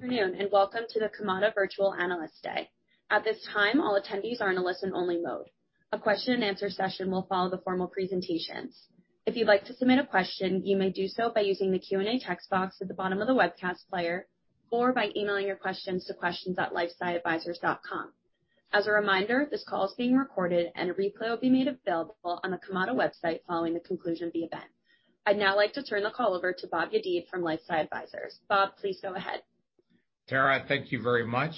Good afternoon, and welcome to the Kamada Virtual Analyst Day. At this time, all attendees are in a listen-only mode. A question and answer session will follow the formal presentations. If you'd like to submit a question, you may do so by using the Q&A text box at the bottom of the webcast player, or by emailing your questions to questions@lifesciadvisors.com. As a reminder, this call is being recorded and a replay will be made available on the Kamada website following the conclusion of the event. I'd now like to turn the call over to Bob Yedid from LifeSci Advisors. Bob, please go ahead. Tara, thank you very much,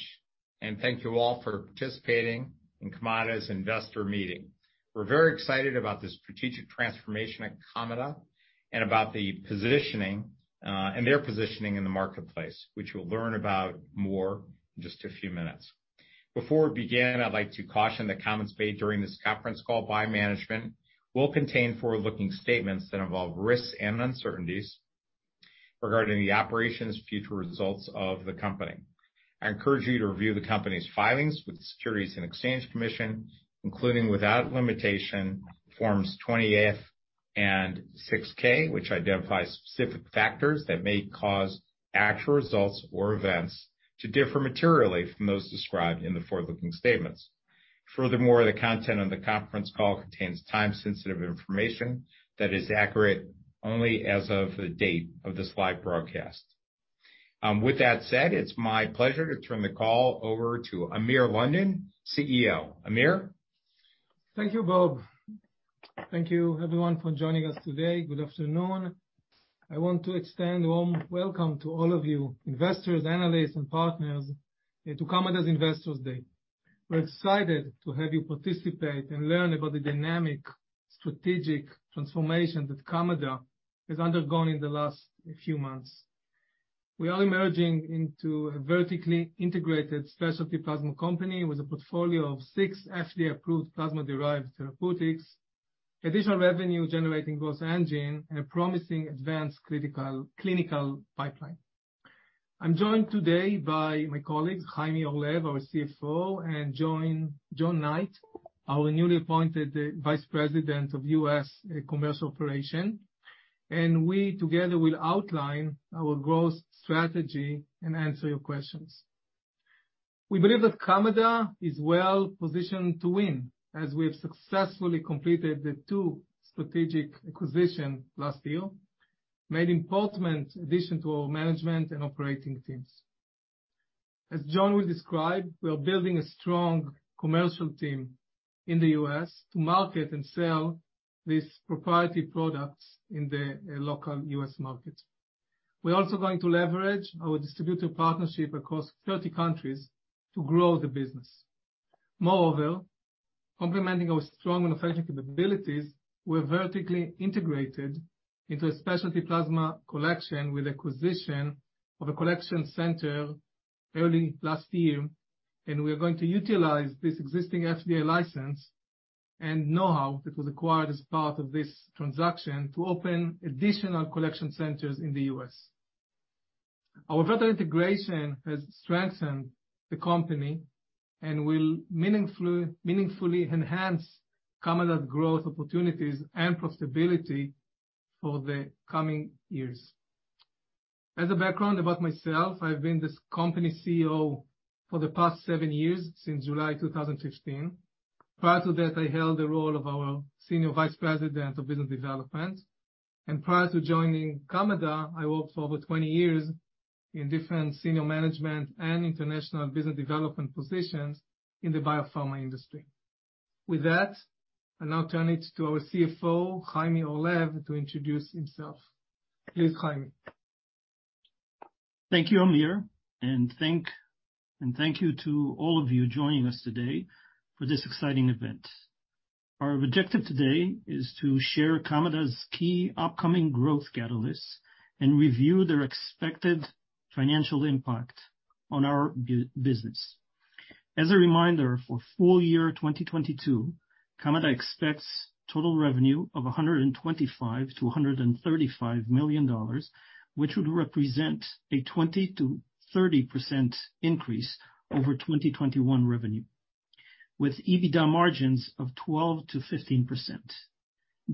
and thank you all for participating in Kamada's Investor Meeting. We're very excited about this strategic transformation at Kamada and about the positioning, and their positioning in the marketplace, which we'll learn about more in just a few minutes. Before we begin, I'd like to caution that comments made during this conference call by management will contain forward-looking statements that involve risks and uncertainties regarding the operations and future results of the company. I encourage you to review the company's filings with the Securities and Exchange Commission, including without limitation, Forms 20-F and 6-K, which identifies specific factors that may cause actual results or events to differ materially from those described in the forward-looking statements. Furthermore, the content of the conference call contains time-sensitive information that is accurate only as of the date of this live broadcast. With that said, it's my pleasure to turn the call over to Amir London, CEO. Amir? Thank you, Bob. Thank you everyone for joining us today. Good afternoon. I want to extend a warm welcome to all of you investors, analysts and partners into Kamada's Investors Day. We're excited to have you participate and learn about the dynamic strategic transformation that Kamada has undergone in the last few months. We are emerging into a vertically integrated specialty plasma company with a portfolio of six FDA-approved plasma-derived therapeutics, additional revenue generating growth engine, and a promising advanced critical clinical pipeline. I'm joined today by my colleague, Chaime Orlev, our CFO, and Jon Knight, our newly appointed Vice President of U.S. Commercial Operations, and we together will outline our growth strategy and answer your questions. We believe that Kamada is well-positioned to win, as we have successfully completed the two strategic acquisitions last year, made important addition to our management and operating teams. As Jon will describe, we are building a strong commercial team in the U.S. to market and sell these proprietary products in the local U.S. market. We're also going to leverage our distributor partnership across 30 countries to grow the business. Moreover, complementing our strong manufacturing capabilities, we're vertically integrated into a specialty plasma collection with acquisition of a collection center early last year, and we are going to utilize this existing FDA license and know-how that was acquired as part of this transaction to open additional collection centers in the U.S. Our vertical integration has strengthened the company and will meaningfully enhance Kamada's growth, opportunities, and profitability for the coming years. As a background about myself, I've been this company's CEO for the past seven years, since July 2015. Prior to that, I held the role of our Senior Vice President of Business Development. Prior to joining Kamada, I worked for over 20 years in different senior management and international business development positions in the biopharma industry. With that, I'll now turn it to our CFO, Chaime Orlev, to introduce himself. Please, Chaime. Thank you, Amir, and thank you to all of you joining us today for this exciting event. Our objective today is to share Kamada's key upcoming growth catalysts and review their expected financial impact on our business. As a reminder, for full year 2022, Kamada expects total revenue of $125 million to $135 million, which would represent a 20% to 30% increase over 2021 revenue, with EBITDA margins of 12% to 15%.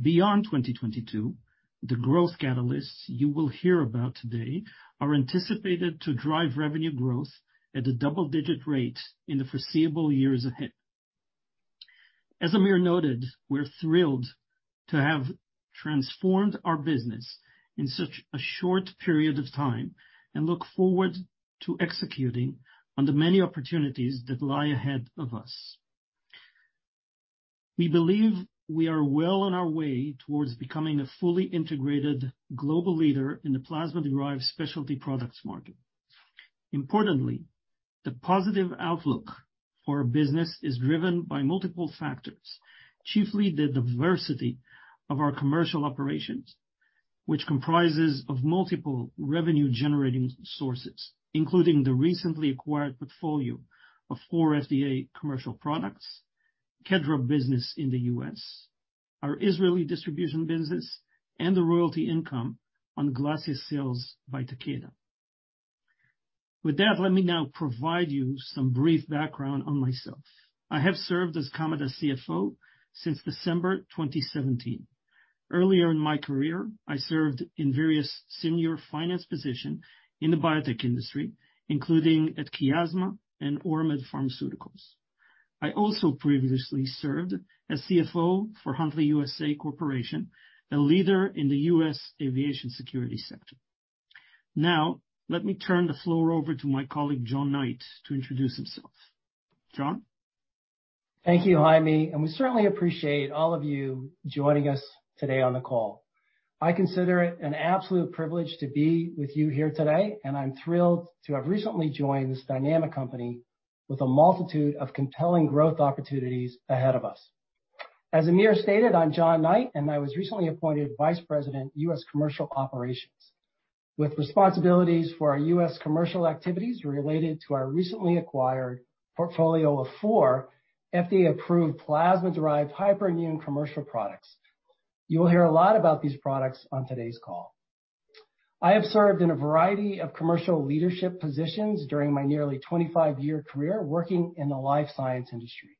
Beyond 2022, the growth catalysts you will hear about today are anticipated to drive revenue growth at a double-digit rate in the foreseeable years ahead. As Amir noted, we're thrilled to have transformed our business in such a short period of time and look forward to executing on the many opportunities that lie ahead of us. We believe we are well on our way towards becoming a fully integrated global leader in the plasma-derived specialty products market. Importantly, the positive outlook for our business is driven by multiple factors, chiefly the diversity of our commercial operations, which comprises of multiple revenue-generating sources, including the recently acquired portfolio of four FDA commercial products, KedRAB business in the U.S., our Israeli distribution business, and the royalty income on GLASSIA sales by Takeda. With that, let me now provide you some brief background on myself. I have served as Kamada CFO since December 2017. Earlier in my career, I served in various senior finance positions in the biotech industry, including at Chiasma and Oramed Pharmaceuticals. I also previously served as CFO for Huntleigh USA Corporation, a leader in the U.S. aviation security sector. Now, let me turn the floor over to my colleague, Jon Knight, to introduce himself. John. Thank you, Chaime, and we certainly appreciate all of you joining us today on the call. I consider it an absolute privilege to be with you here today, and I'm thrilled to have recently joined this dynamic company with a multitude of compelling growth opportunities ahead of us. As Amir stated, I'm Jon Knight, and I was recently appointed Vice President, U.S. Commercial Operations, with responsibilities for our U.S. commercial activities related to our recently acquired portfolio of four FDA-approved plasma-derived hyperimmune commercial products. You will hear a lot about these products on today's call. I have served in a variety of commercial leadership positions during my nearly 25-year career working in the life science industry,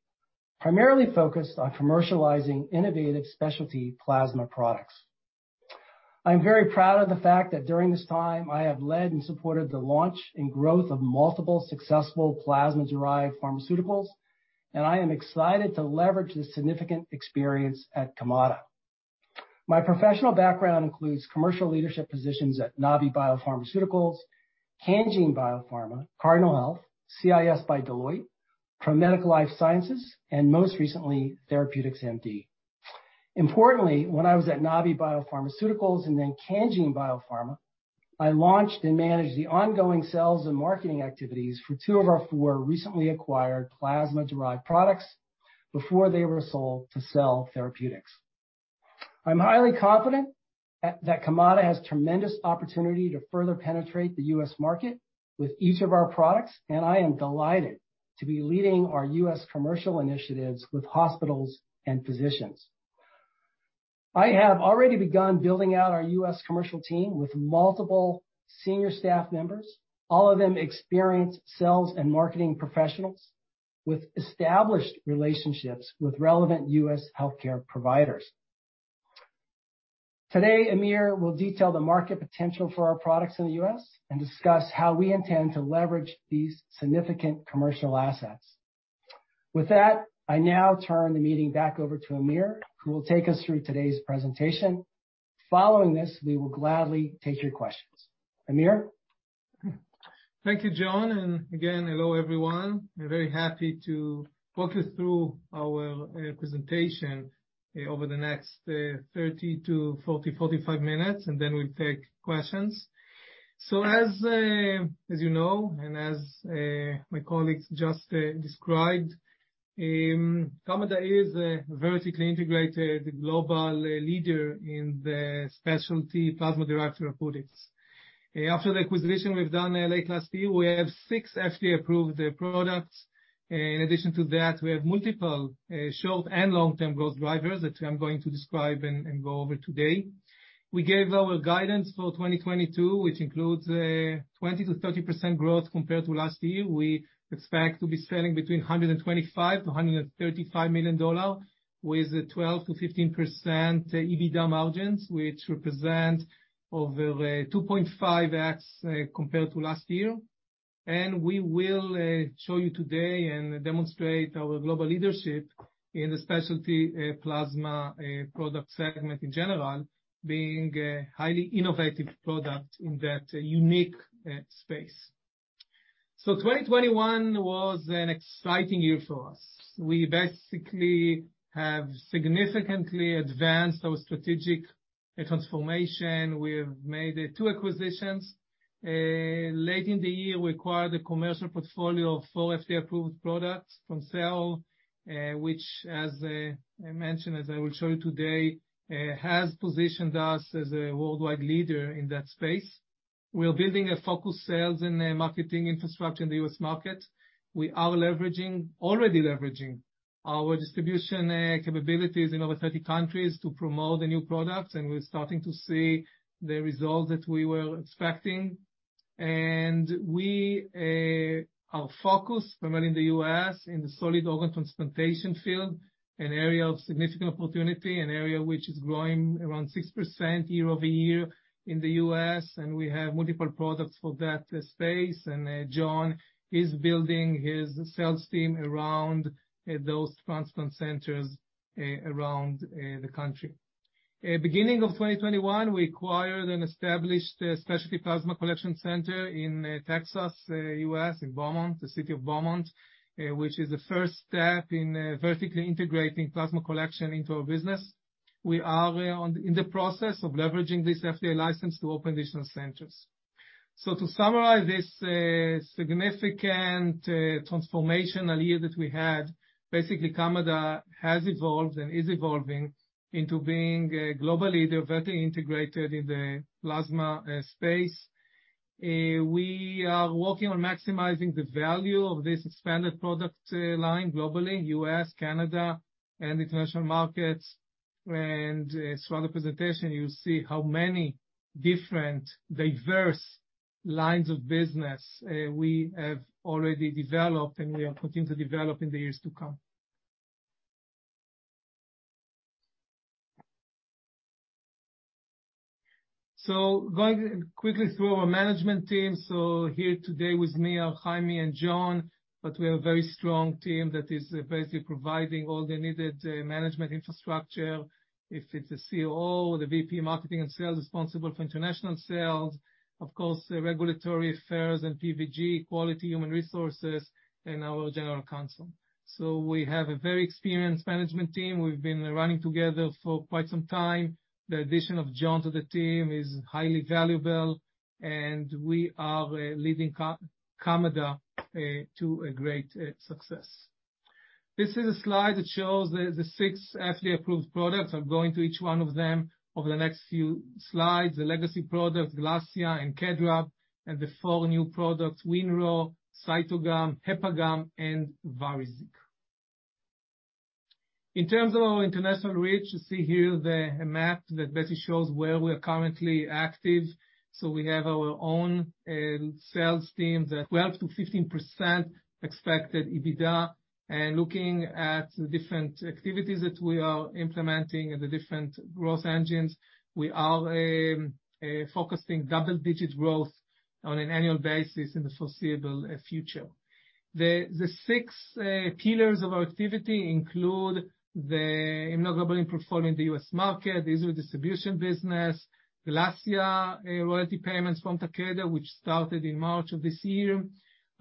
primarily focused on commercializing innovative specialty plasma products. I'm very proud of the fact that during this time I have led and supported the launch and growth of multiple successful plasma-derived pharmaceuticals, and I am excited to leverage this significant experience at Kamada. My professional background includes commercial leadership positions at Nabi Biopharmaceuticals, Cangene Biopharma, Cardinal Health, CIS by Deloitte, ProMedica Life Sciences, and most recently, TherapeuticsMD, Inc. Importantly, when I was at Nabi Biopharmaceuticals and then Cangene Biopharma, I launched and managed the ongoing sales and marketing activities for two of our four recently acquired plasma-derived products before they were sold to Saol Therapeutics. I'm highly confident that Kamada has tremendous opportunity to further penetrate the U.S. market with each of our products, and I am delighted to be leading our U.S. commercial initiatives with hospitals and physicians. I have already begun building out our U.S. commercial team with multiple senior staff members, all of them experienced sales and marketing professionals with established relationships with relevant U.S. healthcare providers. Today, Amir will detail the market potential for our products in the U.S. and discuss how we intend to leverage these significant commercial assets. With that, I now turn the meeting back over to Amir, who will take us through today's presentation. Following this, we will gladly take your questions. Amir. Thank you, John, and again, hello, everyone. We're very happy to walk you through our presentation over the next 30 to 45 minutes, and then we'll take questions. As you know, and as my colleagues just described, Kamada is a vertically integrated global leader in the specialty plasma-derived therapeutics. After the acquisition we've done late last year, we have six FDA-approved products. In addition to that, we have multiple short and long-term growth drivers that I'm going to describe and go over today. We gave our guidance for 2022, which includes 20% to 30% growth compared to last year. We expect to be selling between $125 million to $135 million with 12% to 15% EBITDA margins, which represent over a 2.5x compared to last year. We will show you today and demonstrate our global leadership in the specialty, plasma, product segment in general, being a highly innovative product in that unique, space. 2021 was an exciting year for us. We basically have significantly advanced our strategic transformation. We have made two acquisitions. Late in the year, we acquired a commercial portfolio of four FDA-approved products from CSL, which, as I mentioned, as I will show you today, has positioned us as a worldwide leader in that space. We're building a focused sales and marketing infrastructure in the U.S. market. We are leveraging our distribution capabilities in over 30 countries to promote the new products, and we're starting to see the results that we were expecting. We, our focus, primarily in the U.S., in the solid organ transplantation field, an area of significant opportunity, an area which is growing around 6% year-over-year in the U.S., and we have multiple products for that space. Jon Knight is building his sales team around those transplant centers around the country. Beginning of 2021, we acquired and established a specialty plasma collection center in Texas, U.S., in Beaumont, the City of Beaumont, which is the first step in vertically integrating plasma collection into our business. We are in the process of leveraging this FDA license to open additional centers. To summarize this, significant, transformational year that we had, basically, Kamada has evolved and is evolving into being a global leader, vertically integrated in the plasma space. We are working on maximizing the value of this expanded product line globally, U.S., Canada, and international markets. Throughout the presentation, you'll see how many different diverse lines of business we have already developed and we are continuing to develop in the years to come. Going quickly through our management team. Here today with me are Chaime and Jon, but we have a very strong team that is basically providing all the needed management infrastructure. Including a COO, the VP of Marketing and Sales responsible for international sales. Of course, regulatory affairs and pharmacovigilance, quality, human resources, and our general counsel. We have a very experienced management team. We've been running together for quite some time. The addition of Jon to the team is highly valuable, and we are leading Kamada to a great success. This is a slide that shows the six FDA-approved products. I'm going through each one of them over the next few slides. The legacy products, GLASSIA and KEDRAB, and the four new products, WinRho, CYTOGAM, HepaGam B, and VARIZIG. In terms of our international reach, you see here the map that basically shows where we are currently active. We have our own sales teams. 12% to 15% expected EBITDA. Looking at the different activities that we are implementing and the different growth engines, we are focusing double-digit growth on an annual basis in the foreseeable future. The six pillars of our activity include the immunoglobulin platform in the U.S. market, the Israel distribution business, GLASSIA, royalty payments from Takeda, which started in March of this year.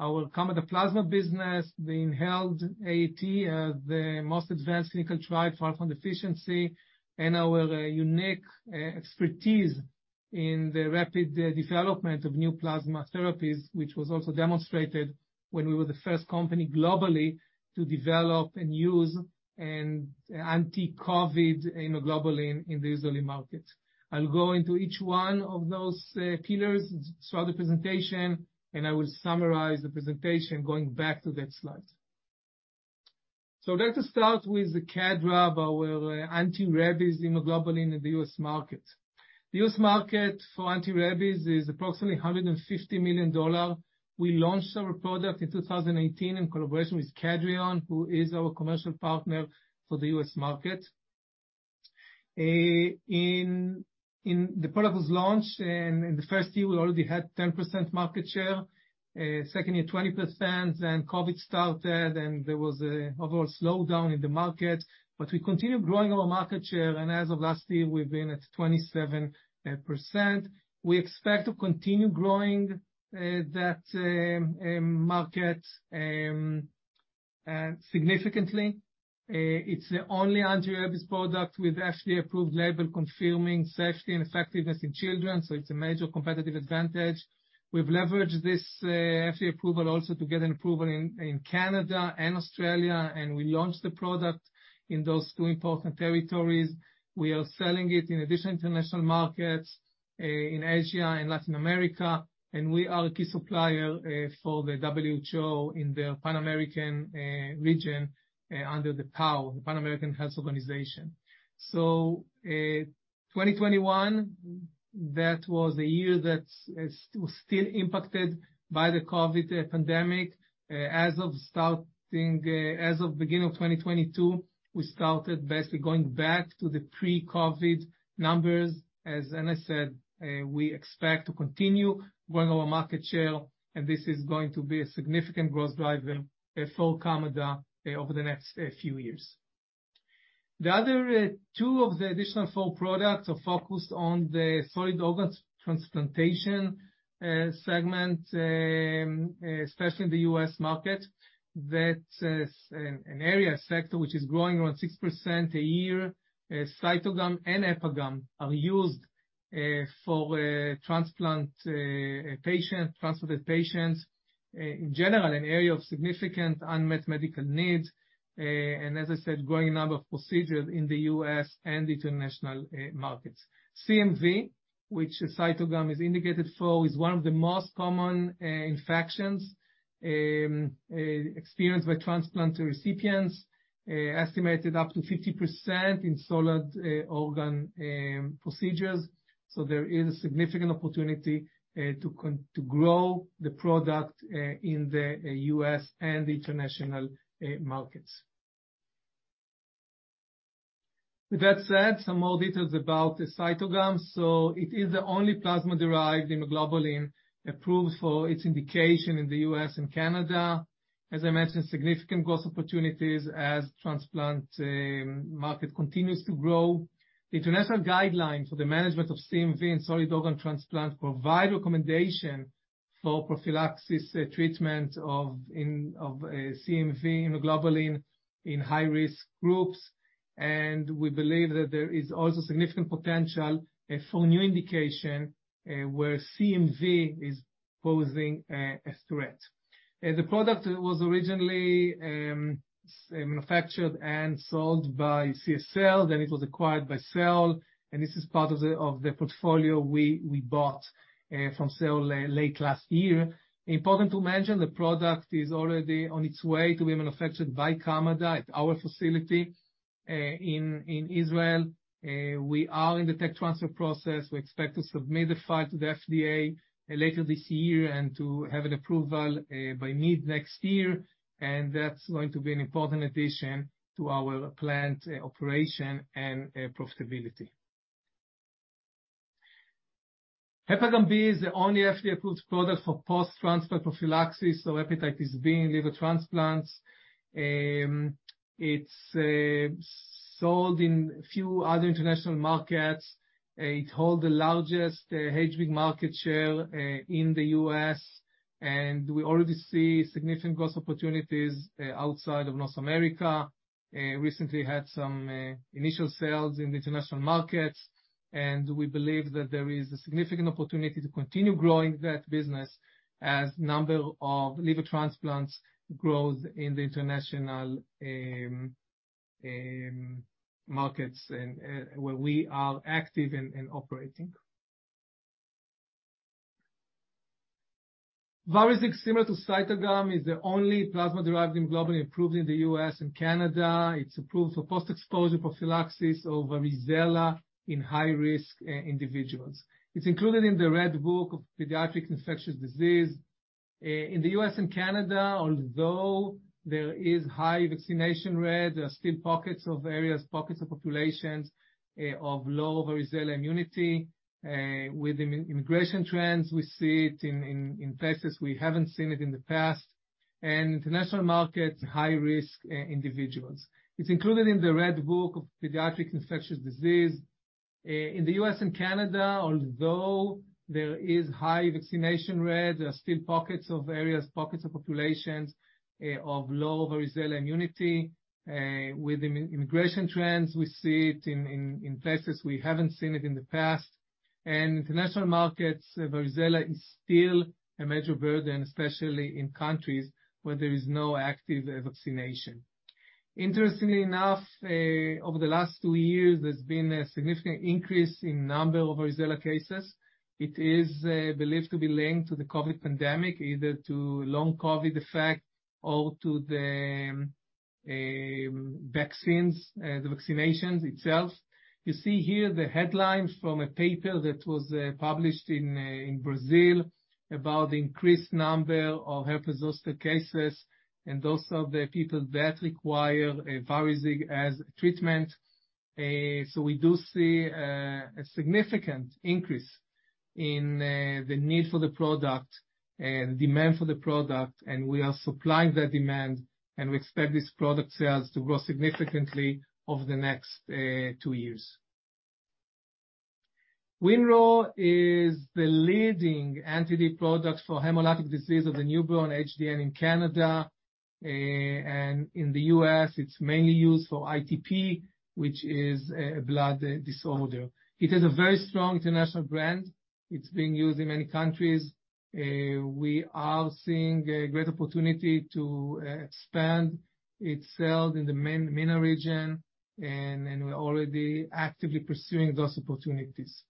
Our Kamada Plasma business, the inhaled AAT, the most advanced clinical trial for Alpha-1 deficiency. Our unique expertise in the rapid development of new plasma therapies, which was also demonstrated when we were the first company globally to develop and use an anti-COVID immunoglobulin in the Israeli market. I'll go into each one of those pillars throughout the presentation, and I will summarize the presentation going back to that slide. Let us start with the KedRAB, our anti-rabies immunoglobulin in the U.S. market. The U.S. market for anti-rabies is approximately $150 million. We launched our product in 2018 in collaboration with Kedrion, who is our commercial partner for the U.S. market. The product was launched, and in the first year, we already had 10% market share. Second year, 20%. COVID started, and there was an overall slowdown in the market, but we continued growing our market share. As of last year, we've been at 27%. We expect to continue growing that market significantly. It's the only anti-rabies product with FDA-approved label confirming safety and effectiveness in children, so it's a major competitive advantage. We've leveraged this FDA approval also to get an approval in Canada and Australia, and we launched the product in those two important territories. We are selling it in additional international markets in Asia and Latin America, and we are a key supplier for the WHO in the Pan-American region under the PAHO, the Pan-American Health Organization. 2021 was a year that was still impacted by the COVID pandemic. As of beginning of 2022, we started basically going back to the pre-COVID numbers. As I said, we expect to continue growing our market share, and this is going to be a significant growth driver for Kamada over the next few years. The other two of the additional four products are focused on the solid organ transplantation segment, especially in the U.S. market. That's an area sector which is growing around 6% a year. CYTOGAM and HepaGam B are used for transplanted patients. In general, an area of significant unmet medical needs. As I said, growing number of procedures in the U.S. and international markets. CMV, which CYTOGAM is indicated for, is one of the most common infections experienced by transplant recipients, estimated up to 50% in solid organ procedures. There is a significant opportunity to grow the product in the U.S. and international markets. With that said, some more details about the CYTOGAM. It is the only plasma-derived immunoglobulin approved for its indication in the U.S. and Canada. As I mentioned, significant growth opportunities as transplant market continues to grow. The international guidelines for the management of CMV and solid organ transplant provide recommendation for prophylaxis treatment of CMV immunoglobulin in high-risk groups. We believe that there is also significant potential for new indication where CMV is posing a threat. The product was originally manufactured and sold by CSL, then it was acquired by Saol, and this is part of the portfolio we bought from Saol late last year. Important to mention, the product is already on its way to be manufactured by Kamada at our facility in Israel. We are in the tech transfer process. We expect to submit the file to the FDA later this year and to have an approval by mid next year. That's going to be an important addition to our plant operation and profitability. HepaGam B is the only FDA-approved product for post-transplant prophylaxis of hepatitis B in liver transplants. It's sold in few other international markets. It holds the largest HB market share in the U.S., and we already see significant growth opportunities outside of North America. Recently had some initial sales in international markets, and we believe that there is a significant opportunity to continue growing that business as number of liver transplants grows in the international markets and where we are active and operating. VARIZIG, similar to CYTOGAM, is the only plasma-derived immunoglobulin approved in the U.S. and Canada. It's approved for post-exposure prophylaxis of varicella in high-risk individuals. It's included in the Red Book of Pediatric Infectious Diseases. In the U.S. and Canada, although there is high vaccination rate, there are still pockets of areas, pockets of populations of low varicella immunity with immigration trends, we see it in places we haven't seen it in the past. International markets, high-risk individuals. It's included in the Red Book of Pediatric Infectious Diseases. In the U.S. and Canada, although there is high vaccination rate, there are still pockets of areas, pockets of populations, of low varicella immunity. With immigration trends, we see it in places we haven't seen it in the past. International markets, varicella is still a major burden, especially in countries where there is no active vaccination. Interestingly enough, over the last two years, there's been a significant increase in number of varicella cases. It is believed to be linked to the COVID pandemic, either to long COVID effect or to the vaccines, the vaccinations itself. You see here the headlines from a paper that was published in Brazil about the increased number of herpes zoster cases, and those are the people that require VARIZIG as treatment. We do see a significant increase in the need for the product and demand for the product, and we are supplying that demand, and we expect this product sales to grow significantly over the next two years. WinRho is the leading antibody product for hemolytic disease of the newborn, HDN, in Canada. In the U.S., it's mainly used for ITP, which is a blood disorder. It is a very strong international brand. It's being used in many countries. We are seeing a great opportunity to expand its sales in the MENA region, and we're already actively pursuing those opportunities.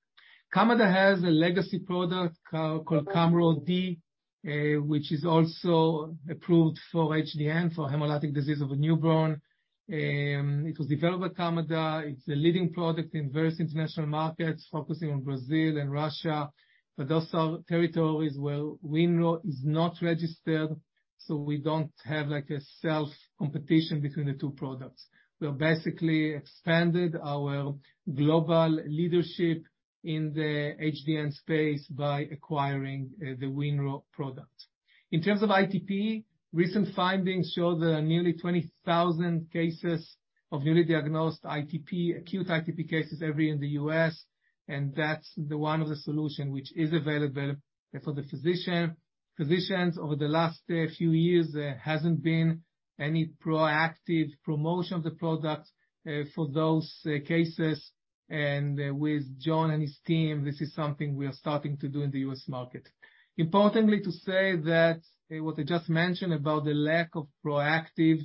Kamada has a legacy product called KamRho D, which is also approved for HDN, for hemolytic disease of a newborn. It was developed at Kamada. It's the leading product in various international markets, focusing on Brazil and Russia, but those are territories where WinRho is not registered, so we don't have, like, a self-competition between the two products. We have basically expanded our global leadership in the HDN space by acquiring the WinRho product. In terms of ITP, recent findings show there are nearly 20,000 cases of newly diagnosed ITP, acute ITP cases every year in the U.S., and that's the one of the solution which is available for the physician. Physicians over the last few years hasn't been any proactive promotion of the product for those cases. With Jon and his team, this is something we are starting to do in the U.S. market. Importantly to say that, what I just mentioned about the lack of proactive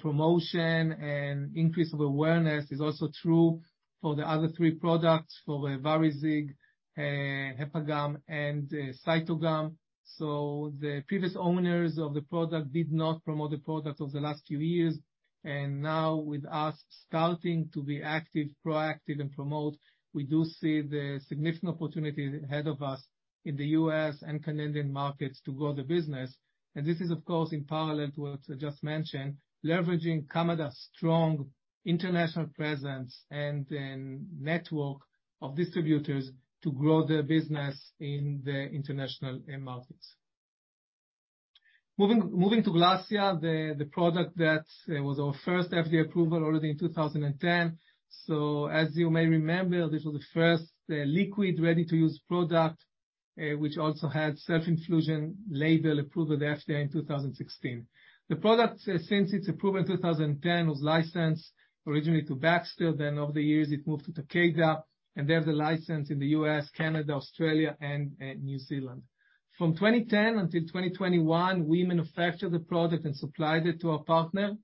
promotion and increase of awareness is also true for the other three products, for VARIZIG, HepaGam B, and CYTOGAM. The previous owners of the product did not promote the product over the last few years. Now with us starting to be active, proactive, and promote, we do see the significant opportunity ahead of us in the U.S. and Canadian markets to grow the business. This is, of course, in parallel to what I just mentioned, leveraging Kamada's strong international presence and network of distributors to grow their business in the international markets. Moving to GLASSIA, the product that was our first FDA approval already in 2010. As you may remember, this was the first liquid ready-to-use product, which also had self-infusion label approved with FDA in 2016. The product, since its approval in 2010, was licensed originally to Baxter, then over the years, it moved to Takeda, and they have the license in the U.S., Canada, Australia, and New Zealand. From 2010 until 2021, we manufactured the product and supplied it to our partner.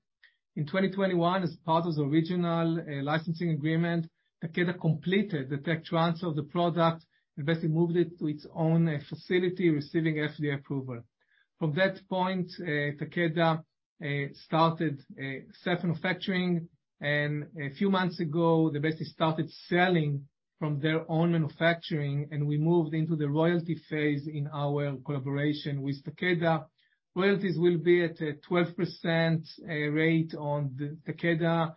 In 2021, as part of the original licensing agreement, Takeda completed the tech transfer of the product, and basically moved it to its own facility, receiving FDA approval. From that point, Takeda started self-manufacturing. A few months ago, they basically started selling from their own manufacturing, and we moved into the royalty phase in our collaboration with Takeda. Royalties will be at a 12% rate on the Takeda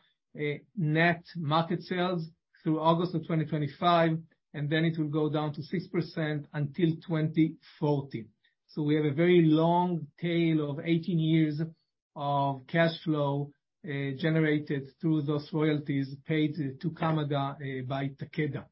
net market sales through August of 2025, and then it will go down to 6% until 2040. We have a very long tail of 18 years of cash flow generated through those royalties paid to Kamada by Takeda.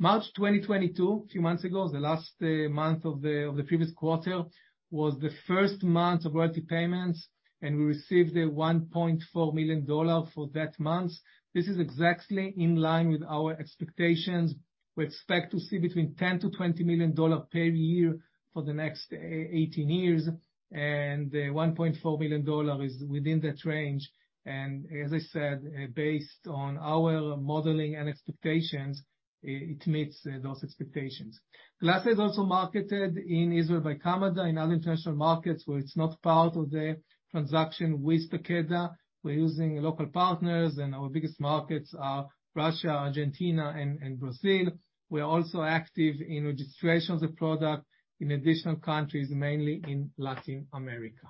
March 2022, a few months ago, the last month of the previous quarter, was the first month of royalty payments, and we received $1.4 million for that month. This is exactly in line with our expectations. We expect to see between $10 million to $20 million per year for the next 18 years, and $1.4 million is within that range. As I said, based on our modeling and expectations, it meets those expectations. GLASSIA is also marketed in Israel by Kamada. In other international markets, where it's not part of the transaction with Takeda, we're using local partners, and our biggest markets are Russia, Argentina, and Brazil. We are also active in registrations of product in additional countries, mainly in Latin America.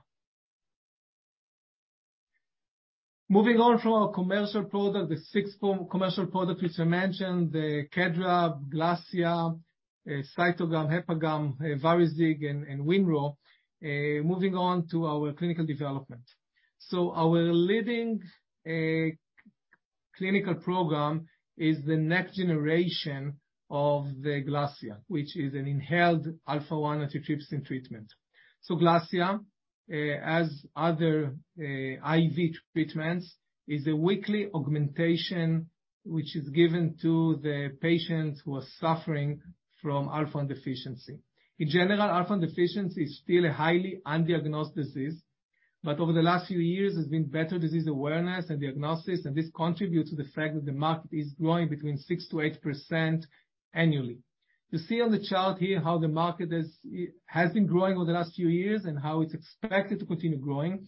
Moving on from our commercial product, the six commercial products which I mentioned, the KedRAB, GLASSIA, CYTOGAM, HepaGam B, VARIZIG, and WinRho SDF. Moving on to our clinical development. Our leading clinical program is the next generation of the GLASSIA, which is an inhaled Alpha-1 antitrypsin treatment. GLASSIA, as other IV treatments, is a weekly augmentation, which is given to the patients who are suffering from Alpha-1 deficiency. In general, Alpha-1 deficiency is still a highly undiagnosed disease. Over the last few years, there's been better disease awareness and diagnosis, and this contributes to the fact that the market is growing 6% to 8% annually. You see on the chart here how the market is, has been growing over the last few years and how it's expected to continue growing.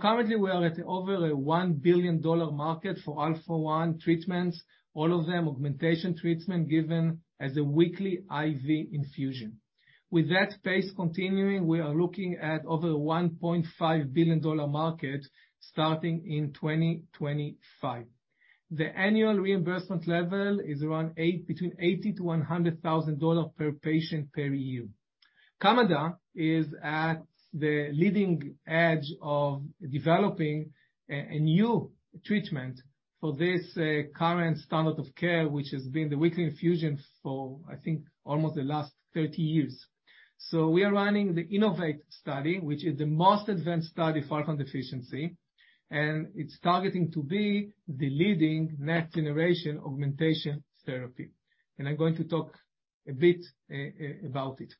Currently, we are at over a $1 billion market for Alpha-1 treatments, all of them augmentation treatment given as a weekly IV infusion. With that pace continuing, we are looking at over $1.5 billion dollar market starting in 2025. The annual reimbursement level is around $80,000 to $100,000 per patient per year. Kamada is at the leading edge of developing a new treatment for this current standard of care, which has been the weekly infusion for, I think, almost the last 30 years. We are running the Innovate study, which is the most advanced study for Alpha-1 deficiency, and it's targeting to be the leading next-generation augmentation therapy. I'm going to talk a bit about it.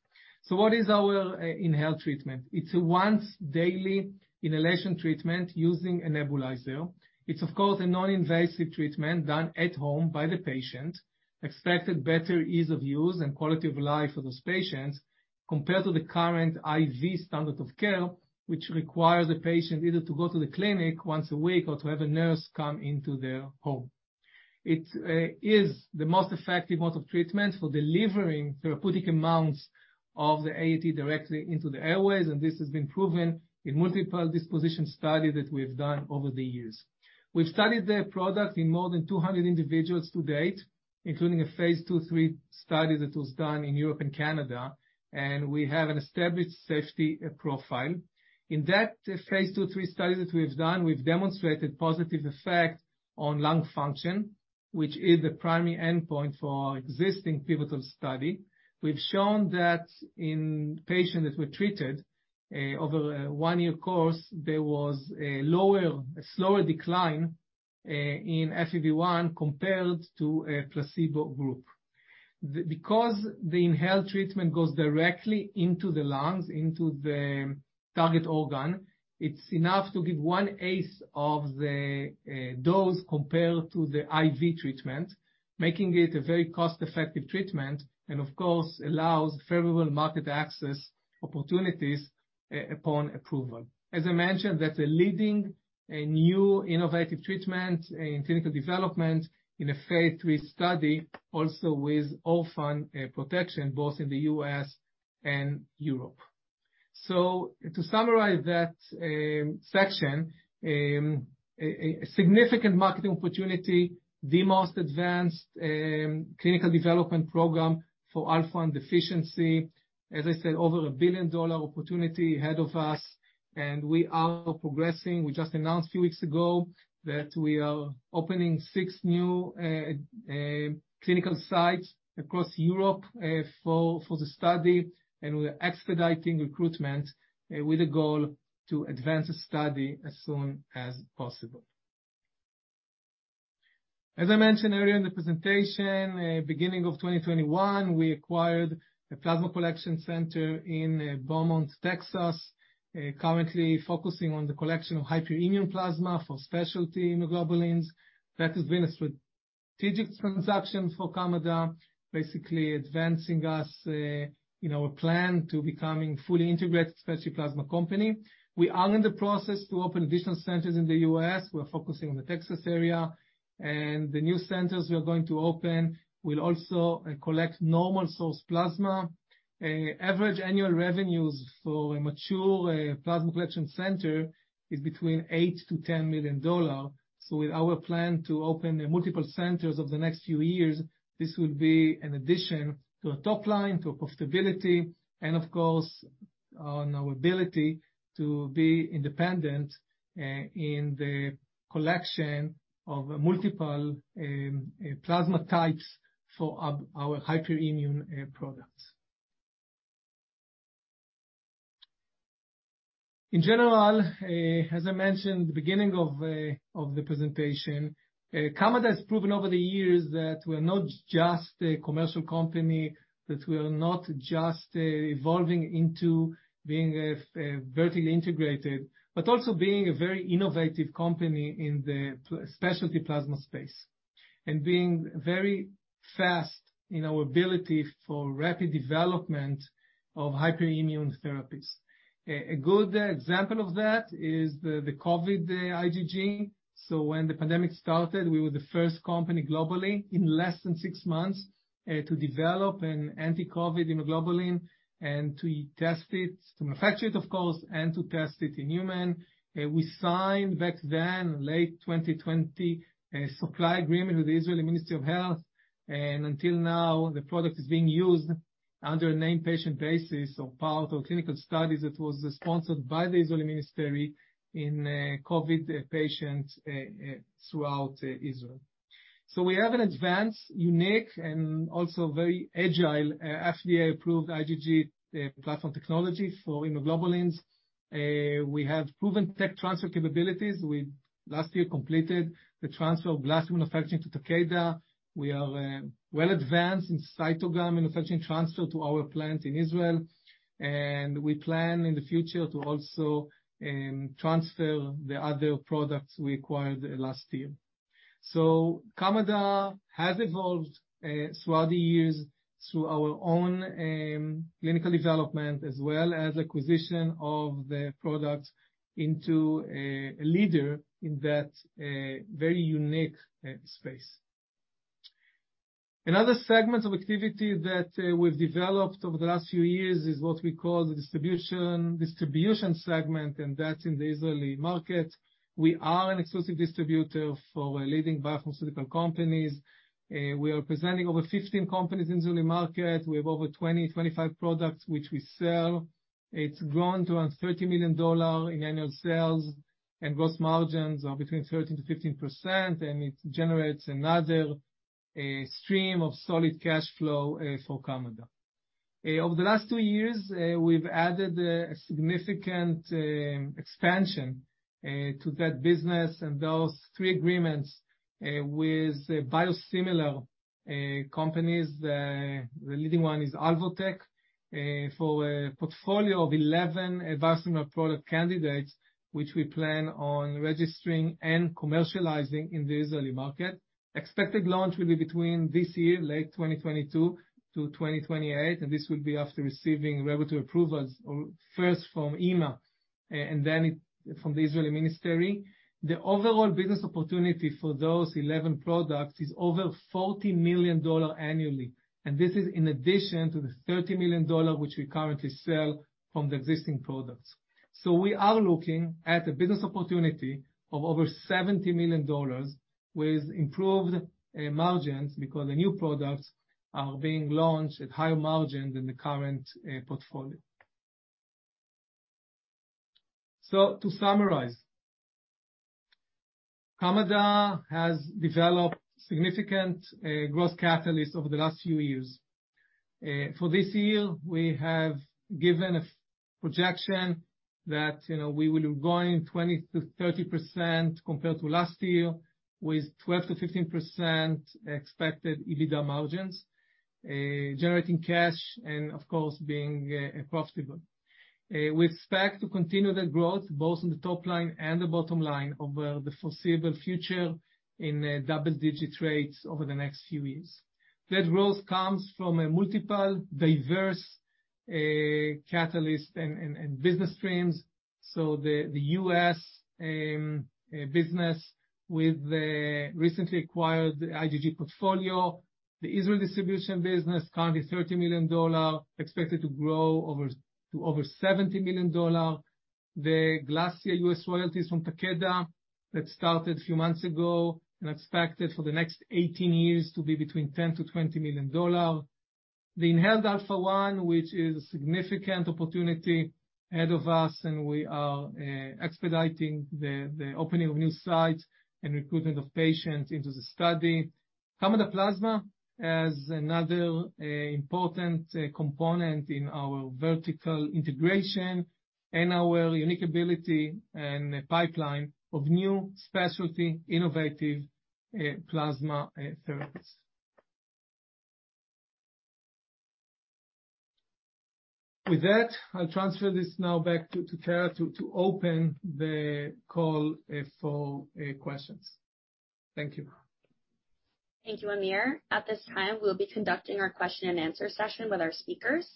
What is our inhaled treatment? It's a once daily inhalation treatment using a nebulizer. It's of course a non-invasive treatment done at home by the patient, expected better ease of use and quality of life for those patients compared to the current IV standard of care, which requires a patient either to go to the clinic once a week or to have a nurse come into their home. It is the most effective mode of treatment for delivering therapeutic amounts of the AAT directly into the airways, and this has been proven in multiple disposition studies that we've done over the years. We've studied the product in more than 200 individuals to date, including a phase 2/3 study that was done in Europe and Canada, and we have an established safety profile. In that phase 2/3 study that we have done, we've demonstrated positive effect on lung function, which is the primary endpoint for our existing pivotal study. We've shown that in patients that were treated over a 1-year course, there was a slower decline in FEV1 compared to a placebo group. Because the inhaled treatment goes directly into the lungs, into the target organ, it's enough to give one-eighth of the dose compared to the IV treatment, making it a very cost-effective treatment, and of course, allows favorable market access opportunities upon approval. As I mentioned, that's a leading new innovative treatment in clinical development in a phase three study, also with orphan protection, both in the U.S. and Europe. To summarize that section, a significant marketing opportunity, the most advanced clinical development program for Alpha-1 deficiency. As I said, over a billion-dollar opportunity ahead of us, and we are progressing. We just announced a few weeks ago that we are opening six new clinical sites across Europe for the study, and we're expediting recruitment with a goal to advance the study as soon as possible. As I mentioned earlier in the presentation, beginning of 2021, we acquired a plasma collection center in Beaumont, Texas, currently focusing on the collection of hyperimmune plasma for specialty immunoglobulins. That has been a strategic transaction for Kamada, basically advancing us in our plan to becoming fully integrated specialty plasma company. We are in the process to open additional centers in the U.S. We are focusing on the Texas area. The new centers we are going to open will also collect normal source plasma. Average annual revenues for a mature plasma collection center is between $8 million to $10 million. With our plan to open multiple centers over the next few years, this will be an addition to our top line, to profitability, and of course, on our ability to be independent in the collection of multiple plasma types for our hyperimmune products. In general, as I mentioned at the beginning of the presentation, Kamada has proven over the years that we're not just a commercial company, that we're not just evolving into being a vertically integrated, but also being a very innovative company in the specialty plasma space, and being very fast in our ability for rapid development of hyperimmune therapies. A good example of that is the COVID IgG. When the pandemic started, we were the first company globally in less than six months to develop an anti-COVID immunoglobulin, and to test it, to manufacture it, of course, and to test it in human. We signed back then, late 2020, a supply agreement with the Israeli Ministry of Health, and until now, the product is being used under a named patient basis or part of clinical studies that was sponsored by the Israeli Ministry in COVID patients throughout Israel. We have an advanced, unique, and also very agile FDA-approved IgG platform technology for immunoglobulins. We have proven tech transfer capabilities. We last year completed the transfer of GLASSIA manufacturing to Takeda. We are well advanced in CYTOGAM manufacturing transfer to our plant in Israel. We plan in the future to also transfer the other products we acquired last year. Kamada has evolved throughout the years through our own clinical development as well as acquisition of the products into a leader in that very unique space. Another segment of activity that we've developed over the last few years is what we call the distribution segment, and that's in the Israeli market. We are an exclusive distributor for leading biopharmaceutical companies. We are representing over 15 companies in Israeli market. We have over 20 to 25 products which we sell. It's grown to around $30 million in annual sales, and gross margins are between 13% to 15%, and it generates another stream of solid cash flow for Kamada. Over the last two years, we've added a significant expansion to that business, and those three agreements with biosimilar companies. The leading one is Alvotech for a portfolio of 11 biosimilar product candidates, which we plan on registering and commercializing in the Israeli market. Expected launch will be between this year, late 2022-2028, and this will be after receiving regulatory approvals first from EMA and then from the Israeli Ministry. The overall business opportunity for those 11 products is over $40 million annually, and this is in addition to the $30 million which we currently sell from the existing products. We are looking at a business opportunity of over $70 million with improved margins because the new products are being launched at higher margins than the current portfolio. To summarize, Kamada has developed significant growth catalyst over the last few years. For this year, we have given a projection that, you know, we will be growing 20% to 30% compared to last year, with 12% to 15% expected EBITDA margins, generating cash and of course, being profitable. We expect to continue that growth both in the top line and the bottom line over the foreseeable future in double-digit rates over the next few years. That growth comes from a multiple diverse catalyst and business streams. The U.S. business with the recently acquired IgG portfolio. The Israel distribution business, currently $30 million, expected to grow to over $70 million. The GLASSIA U.S. royalties from Takeda that started a few months ago and expected for the next 18 years to be between $10 million to $20 million. The inhaled Alpha-1, which is a significant opportunity ahead of us, and we are expediting the opening of new sites and recruitment of patients into the study. Kamada Plasma as another important component in our vertical integration and our unique ability and pipeline of new specialty, innovative plasma therapies. With that, I'll transfer this now back to Tara to open the call for questions. Thank you. Thank you, Amir. At this time, we'll be conducting our question and answer session with our speakers.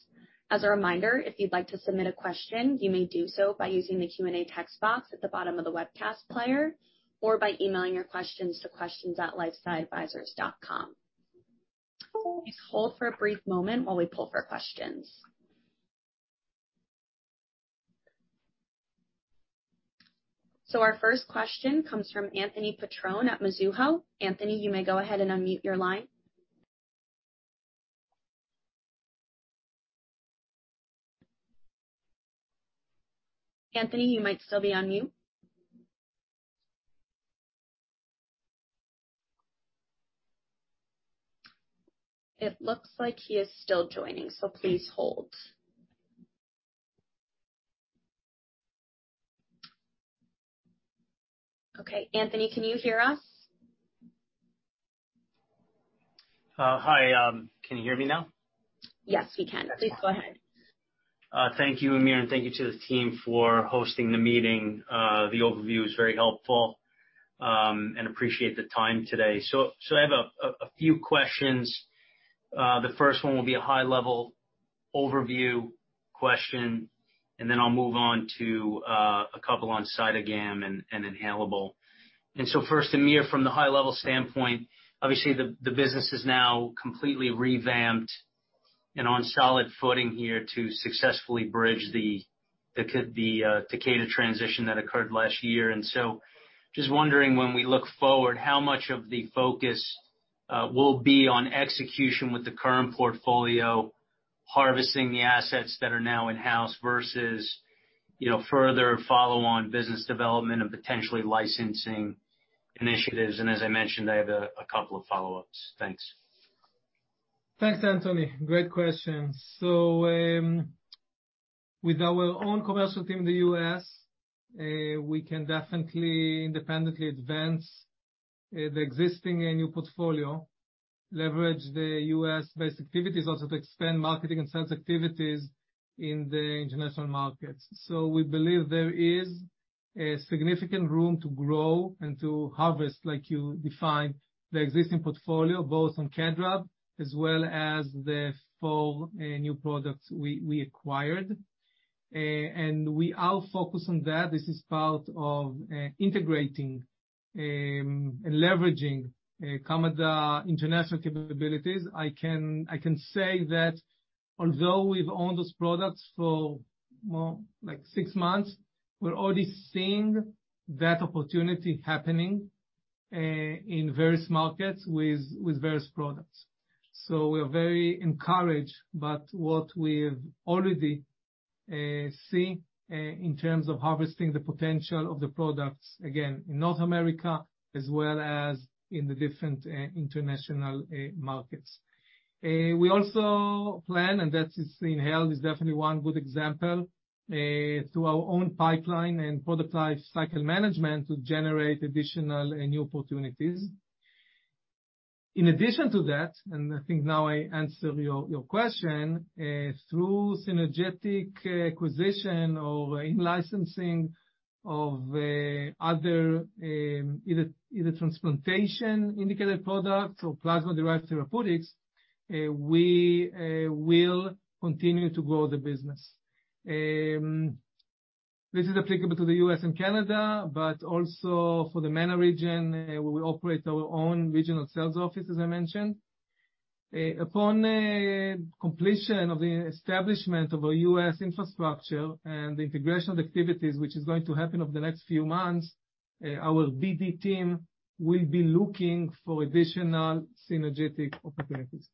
As a reminder, if you'd like to submit a question, you may do so by using the Q&A text box at the bottom of the webcast player or by emailing your questions to questions@lifesciadvisors.com. Please hold for a brief moment while we pull for questions. Our first question comes from Anthony Petrone at Mizuho. Anthony, you may go ahead and unmute your line. Anthony, you might still be on mute. It looks like he is still joining, so please hold. Okay, Anthony, can you hear us? Hi. Can you hear me now? Yes, we can. Please go ahead. Thank you, Amir, and thank you to the team for hosting the meeting. The overview is very helpful, and appreciate the time today. So I have a few questions. The first one will be a high-level overview question, and then I'll move on to a couple on CYTOGAM and Inhalable. First, Amir, from the high level standpoint, obviously the business is now completely revamped and on solid footing here to successfully bridge the Kamada-Takeda transition that occurred last year. Just wondering, when we look forward, how much of the focus will be on execution with the current portfolio, harvesting the assets that are now in-house versus, you know, further follow on business development and potentially licensing initiatives? As I mentioned, I have a couple of follow-ups. Thanks. Thanks, Anthony. Great question. With our own commercial team in the U.S., we can definitely independently advance the existing and new portfolio, leverage the U.S.-based activities also to expand marketing and sales activities in the international markets. We believe there is a significant room to grow and to harvest, like you defined, the existing portfolio both on KedRAB as well as the four new products we acquired. We are focused on that. This is part of integrating, leveraging, Kamada international capabilities. I can say that although we've owned those products for, well, like six months, we're already seeing that opportunity happening in various markets with various products. We are very encouraged about what we've already seen in terms of harvesting the potential of the products, again, in North America as well as in the different international markets. We also plan, and that is, Glassia is definitely one good example, through our own pipeline and product life cycle management to generate additional and new opportunities. In addition to that, and I think now answers your question, through synergistic acquisition or in-licensing of other either transplantation indicated products or plasma-derived therapeutics, we will continue to grow the business. This is applicable to the U.S. and Canada, but also for the MENA region, where we operate our own regional sales office, as I mentioned. Upon completion of the establishment of our U.S. infrastructure and the integration of the activities, which is going to happen over the next few months, our BD team will be looking for additional synergistic opportunities.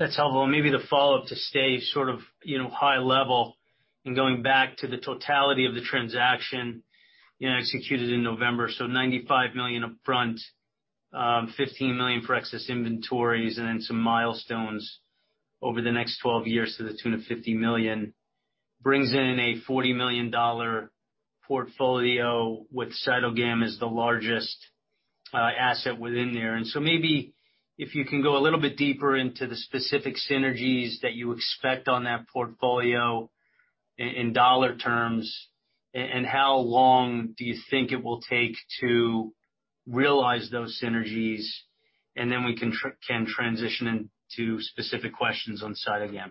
That's helpful. Maybe the follow-up to stay sort of, you know, high level and going back to the totality of the transaction, you know, executed in November. $95 million upfront, $15 million for excess inventories and then some milestones over the next 12 years to the tune of $50 million brings in a $40 million portfolio with CYTOGAM as the largest asset within there. Maybe if you can go a little bit deeper into the specific synergies that you expect on that portfolio in dollar terms, and how long do you think it will take to realize those synergies? Then we can transition into specific questions on CYTOGAM.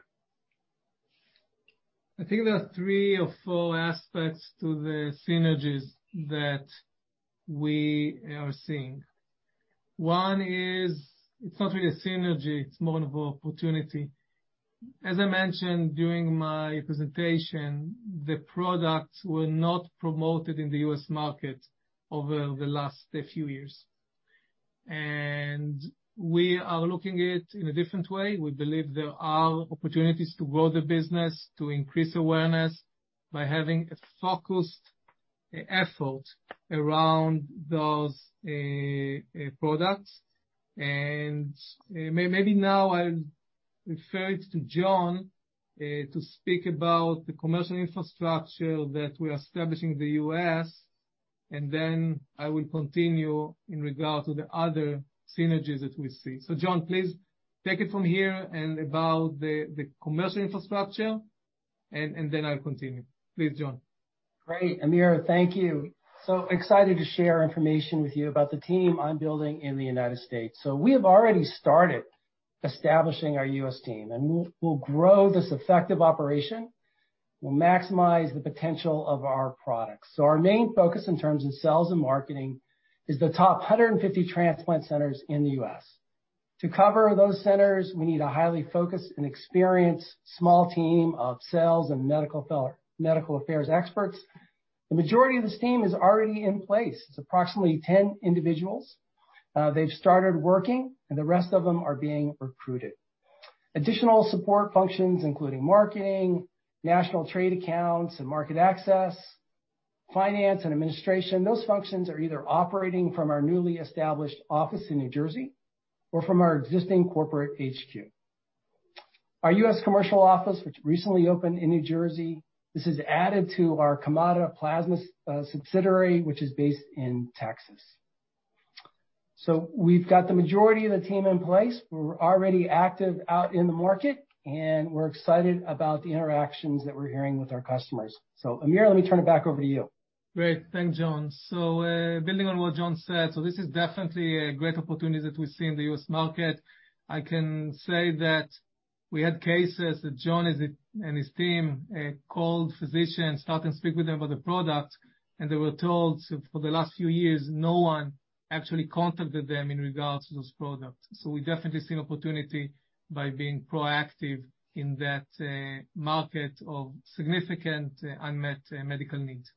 I think there are three or four aspects to the synergies that we are seeing. One is, it's not really a synergy, it's more of an opportunity. As I mentioned during my presentation, the products were not promoted in the U.S. market over the last few years. We are looking at it in a different way. We believe there are opportunities to grow the business, to increase awareness by having a focused effort around those products. Maybe now I'll refer to Jon to speak about the commercial infrastructure that we're establishing in the U.S. I will continue in regards to the other synergies that we see. Jon, please take it from here about the commercial infrastructure, then I'll continue. Please, Jon. Great. Amir, thank you. Excited to share information with you about the team I'm building in the United States. We have already started establishing our U.S. team, and we'll grow this effective operation. We'll maximize the potential of our products. Our main focus in terms of sales and marketing is the top 150 transplant centers in the U.S. To cover those centers, we need a highly focused and experienced small team of sales and medical affairs experts. The majority of this team is already in place. It's approximately 10 individuals. They've started working, and the rest of them are being recruited. Additional support functions, including marketing, national trade accounts, and market access, finance, and administration, those functions are either operating from our newly established office in New Jersey or from our existing corporate HQ. Our U.S. commercial office, which recently opened in New Jersey, this is added to our Kamada Plasma subsidiary, which is based in Texas. We've got the majority of the team in place. We're already active out in the market, and we're excited about the interactions that we're hearing with our customers. Amir, let me turn it back over to you. Great. Thanks, John. Building on what John said, this is definitely a great opportunity that we see in the U.S. market. I can say that we had cases that John and his team called physicians and started to speak with them about the product, and they were told for the last few years, no one actually contacted them in regards to this product. We definitely see an opportunity by being proactive in that market of significant unmet medical needs.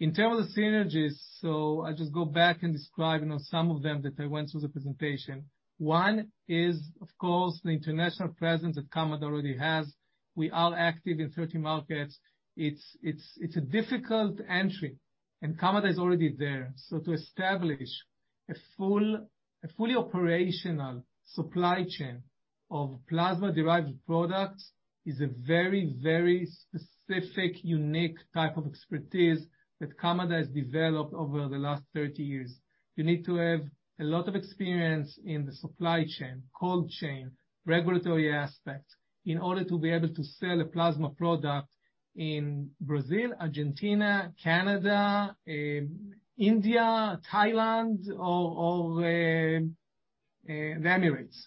In terms of synergies, I'll just go back and describe, you know, some of them that I went through the presentation. One is, of course, the international presence that Kamada already has. We are active in 30 markets. It's a difficult entry, and Kamada is already there. To establish a fully operational supply chain of plasma-derived products is a very specific, unique type of expertise that Kamada has developed over the last 30 years. You need to have a lot of experience in the supply chain, cold chain, regulatory aspects, in order to be able to sell a plasma product in Brazil, Argentina, Canada, India, Thailand or the Emirates.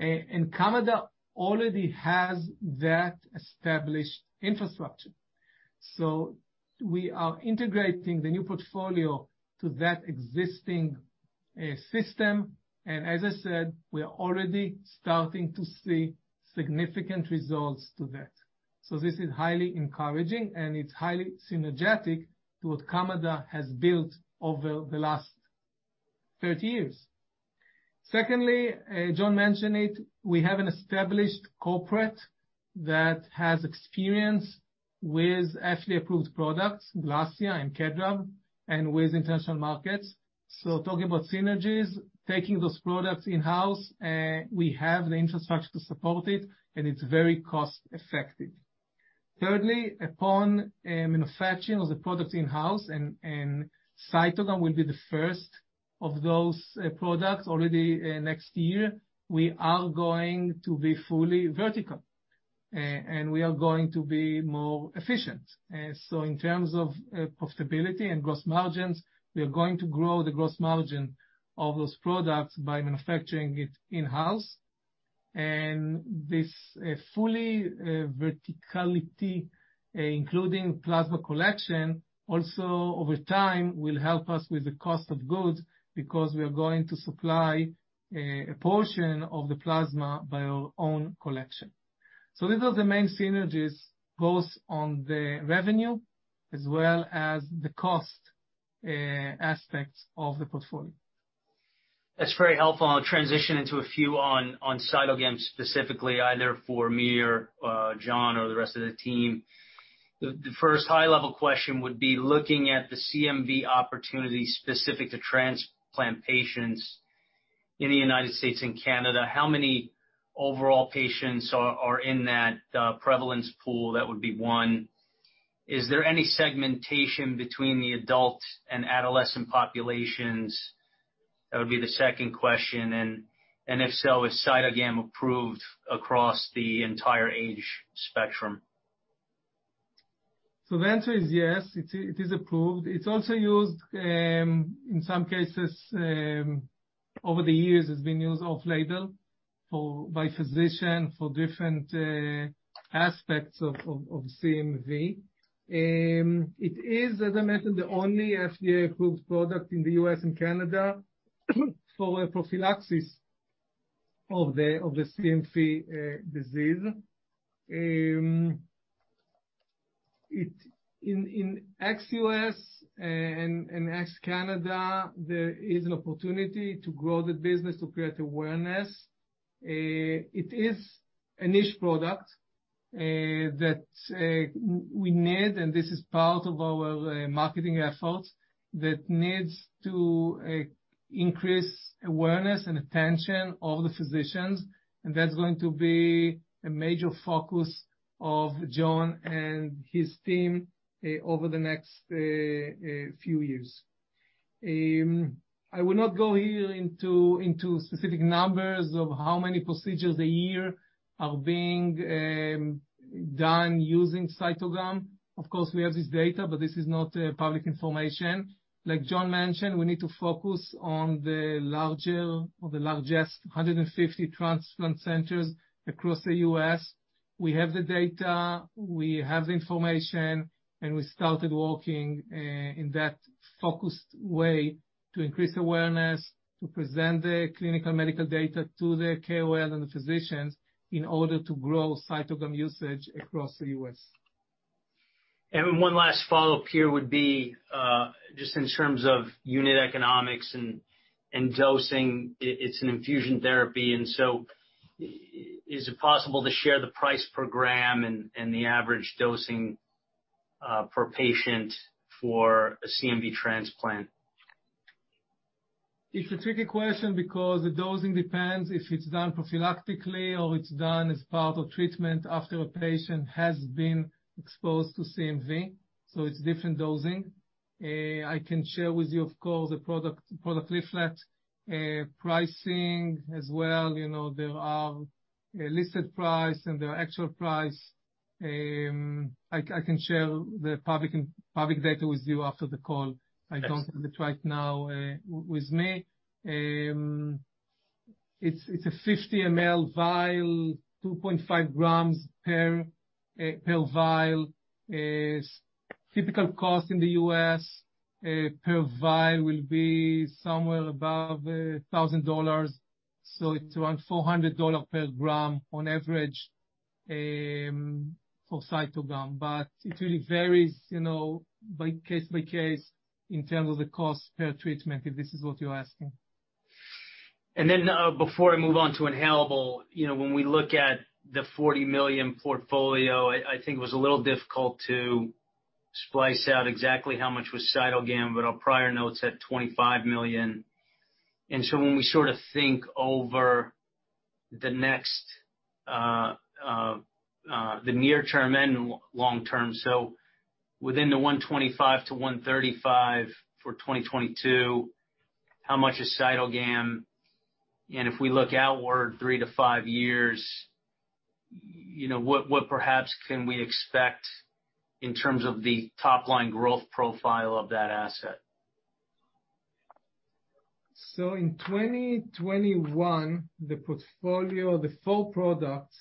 Kamada already has that established infrastructure. We are integrating the new portfolio to that existing system. As I said, we are already starting to see significant results to that. This is highly encouraging, and it's highly synergetic to what Kamada has built over the last 30 years. Secondly, Jon mentioned it, we have an established infrastructure that has experience with FDA-approved products, GLASSIA and KEDRAB, and with international markets. Talking about synergies, taking those products in-house, we have the infrastructure to support it, and it's very cost-effective. Thirdly, upon manufacturing of the products in-house, and CYTOGAM will be the first of those products already next year, we are going to be fully vertical, and we are going to be more efficient. In terms of profitability and gross margins, we are going to grow the gross margin of those products by manufacturing it in-house. This fully verticality, including plasma collection, also over time, will help us with the cost of goods because we are going to supply a portion of the plasma by our own collection. These are the main synergies, both on the revenue as well as the cost aspects of the portfolio. That's very helpful. I'll transition into a few on CYTOGAM specifically, either for me or Jon or the rest of the team. The first high-level question would be looking at the CMV opportunity specific to transplant patients in the United States and Canada, how many overall patients are in that prevalence pool? That would be one. Is there any segmentation between the adult and adolescent populations? That would be the second question. If so, is CYTOGAM approved across the entire age spectrum? The answer is yes, it is approved. It's also used in some cases over the years, it's been used off-label by physicians for different aspects of CMV. It is, as I mentioned, the only FDA-approved product in the U.S. and Canada for prophylaxis of the CMV disease. In ex-U.S. and ex-Canada, there is an opportunity to grow the business, to create awareness. It is a niche product that we need, and this is part of our marketing efforts, that needs to increase awareness and attention of the physicians, and that's going to be a major focus of John Knight and his team over the next few years. I will not go here into specific numbers of how many procedures a year are being done using CYTOGAM. Of course, we have this data, but this is not public information. Like John mentioned, we need to focus on the larger or the largest 150 transplant centers across the U.S. We have the data, we have the information, and we started working in that focused way to increase awareness, to present the clinical medical data to the KOL and the physicians in order to grow CYTOGAM usage across the U.S. One last follow-up here would be just in terms of unit economics and dosing. It's an infusion therapy, and so is it possible to share the price per gram and the average dosing per patient for a CMV transplant? It's a tricky question because the dosing depends if it's done prophylactically or it's done as part of treatment after a patient has been exposed to CMV, so it's different dosing. I can share with you, of course, the product leaflet, pricing as well. You know, there are a listed price and there are actual price. I can share the public data with you after the call. Yes. I don't have it right now, with me. It's a 50 ml vial, 2.5 g per vial. It's typical cost in the U.S. per vial will be somewhere above $1,000, so it's around $400 dollar per gram on average, for CYTOGAM. It really varies, you know, case by case in terms of the cost per treatment, if this is what you're asking. Before I move on to inhalable, you know, when we look at the $40 million portfolio, I think it was a little difficult to splice out exactly how much was CYTOGAM, but our prior notes said $25 million. When we sort of think over the next, the near term and long term, so within the $125 million to $135 million for 2022, how much is CYTOGAM? If we look outward three to five years, you know, what perhaps can we expect in terms of the top line growth profile of that asset? In 2021, the portfolio, the full products,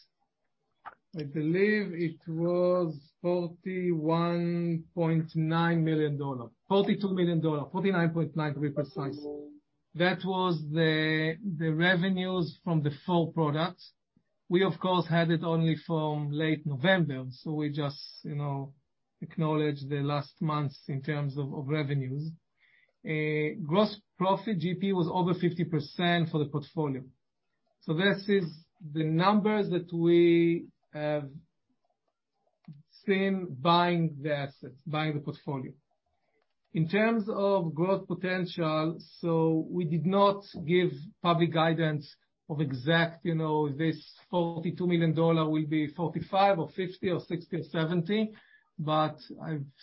I believe it was $41.9 million. $42 million. $49.9 million to be precise. That was the revenues from the full product. We of course had it only from late November, so we just, you know, acknowledge the last month in terms of revenues. Gross profit, GP, was over 50% for the portfolio. This is the numbers that we have seen buying the assets, buying the portfolio. In terms of growth potential, we did not give public guidance of exact, you know, this $42 million will be $45 million or $50 million or $60 million or $70 million. I've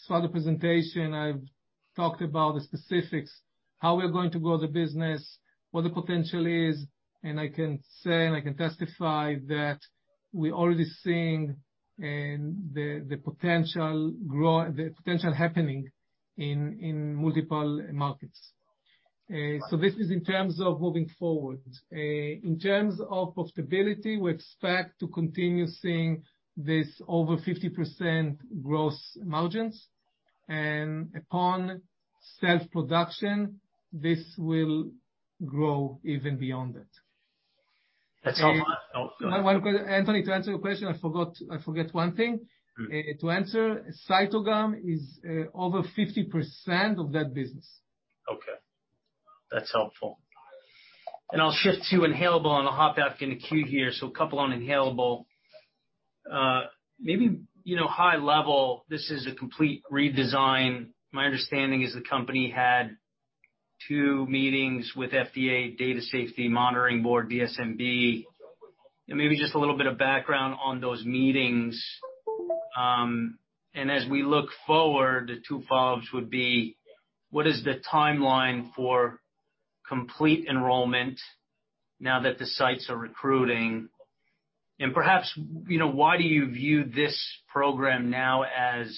saw the presentation, I've talked about the specifics, how we're going to grow the business, what the potential is, and I can say, and I can testify that we're already seeing the potential happening in multiple markets. This is in terms of moving forward. In terms of profitability, we expect to continue seeing this over 50% gross margins. Upon self-production, this will grow even beyond it. That's all. Anthony, to answer your question, I forget one thing. Mm-hmm. To answer, CYTOGAM is over 50% of that business. Okay. That's helpful. I'll shift to inhalable, and I'll hop back in the queue here. A couple on inhalable. Maybe, you know, high level, this is a complete redesign. My understanding is the company had two meetings with FDA Data Safety Monitoring Board, DSMB. Maybe just a little bit of background on those meetings. As we look forward, the two follows would be what is the timeline for complete enrollment now that the sites are recruiting, and perhaps, you know, why do you view this program now as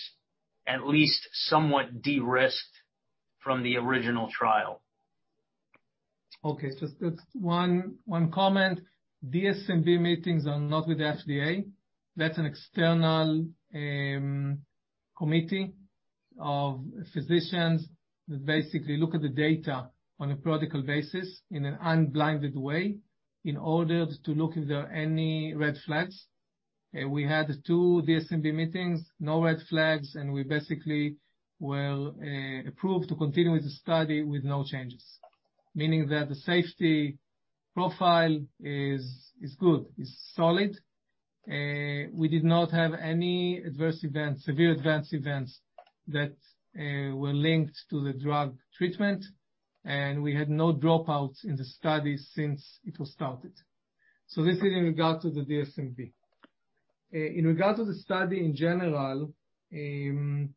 at least somewhat de-risked from the original trial? That's one comment. DSMB meetings are not with the FDA. That's an external committee of physicians that basically look at the data on a protocol basis in an unblinded way in order to look if there are any red flags. We had two DSMB meetings, no red flags, and we basically were approved to continue with the study with no changes. Meaning that the safety profile is good, is solid. We did not have any adverse events, severe adverse events that were linked to the drug treatment. We had no dropouts in the study since it was started. This is in regard to the DSMB. In regard to the study, in general, you're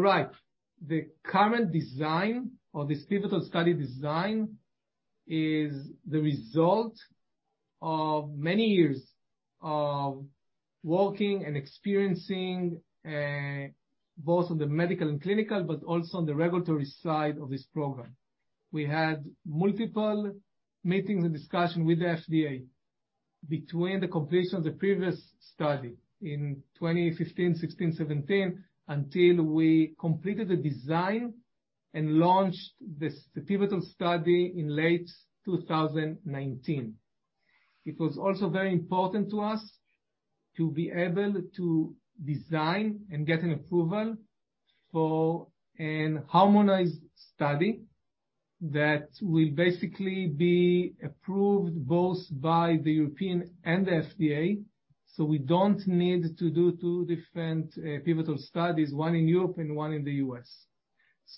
right. The current design of this pivotal study design is the result of many years of working and experiencing both on the medical and clinical, but also on the regulatory side of this program. We had multiple meetings and discussion with the FDA between the completion of the previous study in 2015, 2016, 2017, until we completed the design and launched this, the pivotal study in late 2019. It was also very important to us to be able to design and get an approval for a harmonized study that will basically be approved both by the European and the FDA. We don't need to do two different pivotal studies, one in Europe and one in the U.S.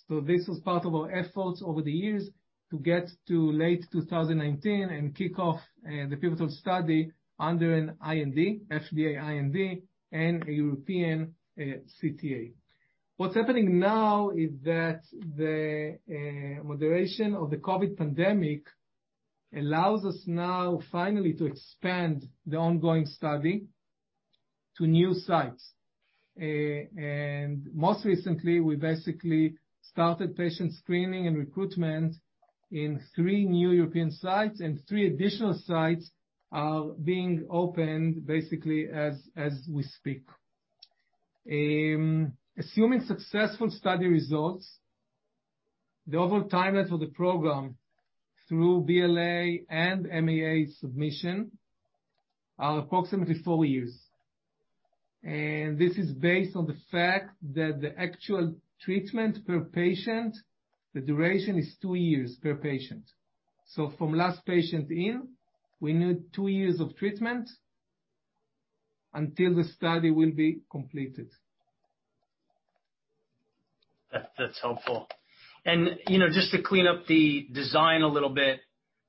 This was part of our efforts over the years to get to late 2019 and kick off the pivotal study under an IND, FDA IND and a European CTA. What's happening now is that the moderation of the COVID pandemic allows us now finally to expand the ongoing study to new sites. Most recently, we basically started patient screening and recruitment in three new European sites, and three additional sites are being opened basically as we speak. Assuming successful study results, the overall timelines for the program through BLA and MAA submission are approximately four years. This is based on the fact that the actual treatment per patient, the duration is two years per patient. From last patient in, we need two years of treatment until the study will be completed. That's helpful. You know, just to clean up the design a little bit,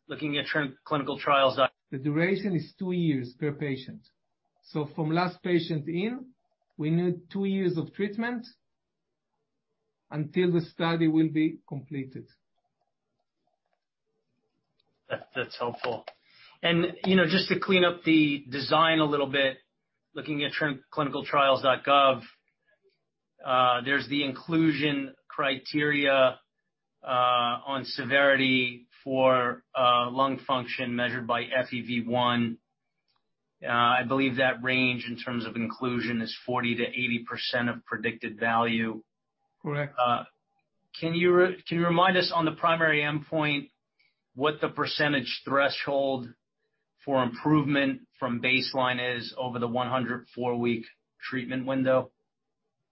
looking at ClinicalTrials.gov. The duration is two years per patient. From last patient in, we need two years of treatment until the study will be completed. That, that's helpful. You know, just to clean up the design a little bit, looking at ClinicalTrials.gov, there's the inclusion criteria on severity for lung function measured by FEV1. I believe that range in terms of inclusion is 40% to 80% of predicted value. Correct. Can you remind us on the primary endpoint what the percentage threshold for improvement from baseline is over the 104-week treatment window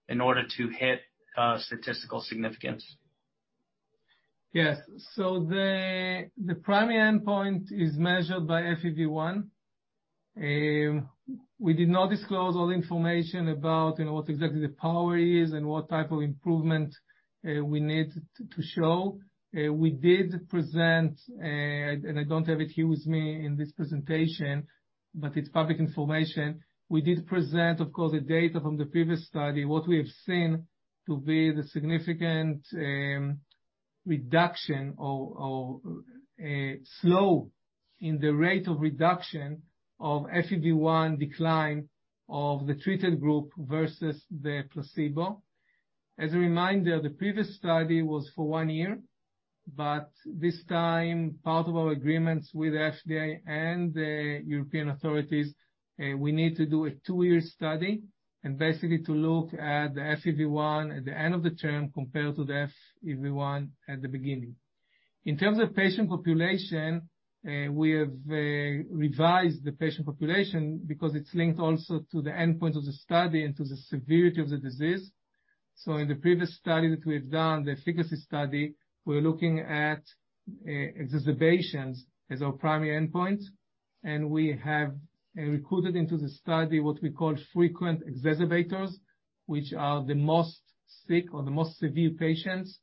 in order to hit statistical significance? Yes. The primary endpoint is measured by FEV1. We did not disclose all the information about what exactly the power is and what type of improvement we need to show. We did present, and I don't have it here with me in this presentation, but it's public information. We did present, of course, the data from the previous study, what we have seen to be the significant reduction or slow in the rate of reduction of FEV1 decline of the treated group versus the placebo. As a reminder, the previous study was for one year, but this time, part of our agreements with FDA and the European authorities, we need to do a two-year study and basically to look at the FEV1 at the end of the term compared to the FEV1 at the beginning. In terms of patient population, we have revised the patient population because it's linked also to the endpoint of the study and to the severity of the disease. In the previous study that we have done, the efficacy study, we're looking at exacerbations as our primary endpoint, and we have recruited into the study what we call frequent exacerbators, which are the most sick or the most severe patients.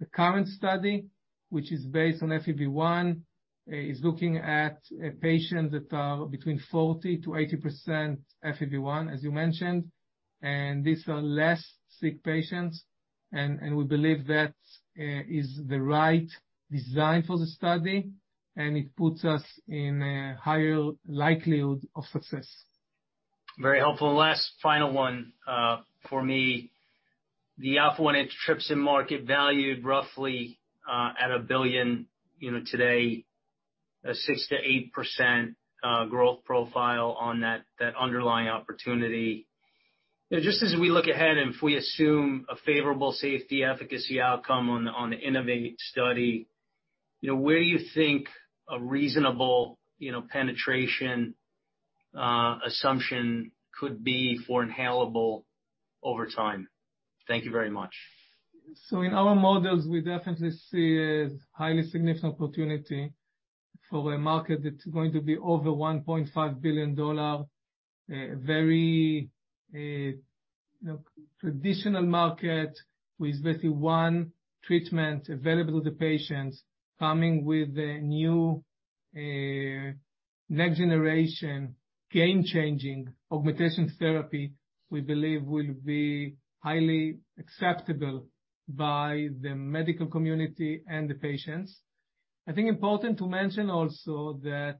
The current study, which is based on FEV1, is looking at patients that are between 40% to 80% FEV1, as you mentioned, and these are less sick patients. We believe that is the right design for the study, and it puts us in a higher likelihood of success. Very helpful. Last final one, for me, the Alpha-1 antitrypsin market valued roughly at $1 billion, you know, today, a 6% to 8% growth profile on that underlying opportunity. You know, just as we look ahead, if we assume a favorable safety efficacy outcome on the InnovAATe study, you know, where you think a reasonable, you know, penetration assumption could be for inhalable over time. Thank you very much. In our models, we definitely see a highly significant opportunity. For a market that's going to be over $1.5 billion, very, you know, traditional market with basically one treatment available to the patients, coming with a new, next generation game-changing augmentation therapy, we believe will be highly acceptable by the medical community and the patients. I think important to mention also that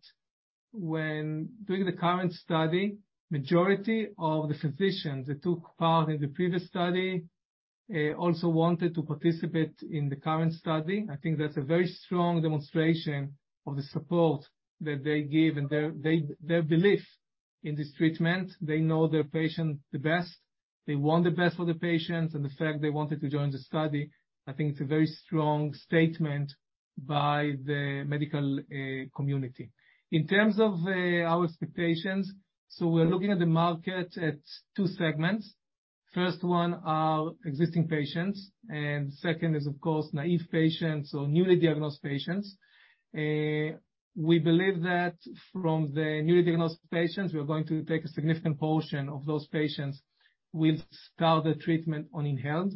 when doing the current study, majority of the physicians that took part in the previous study, also wanted to participate in the current study. I think that's a very strong demonstration of the support that they give and their belief in this treatment. They know their patients the best. They want the best for the patients. The fact they wanted to join the study, I think it's a very strong statement by the medical community. In terms of our expectations, we're looking at the market at two segments. First one are existing patients, and second is, of course, naive patients or newly diagnosed patients. We believe that from the newly diagnosed patients, we are going to take a significant portion of those patients will start the treatment on inhaled.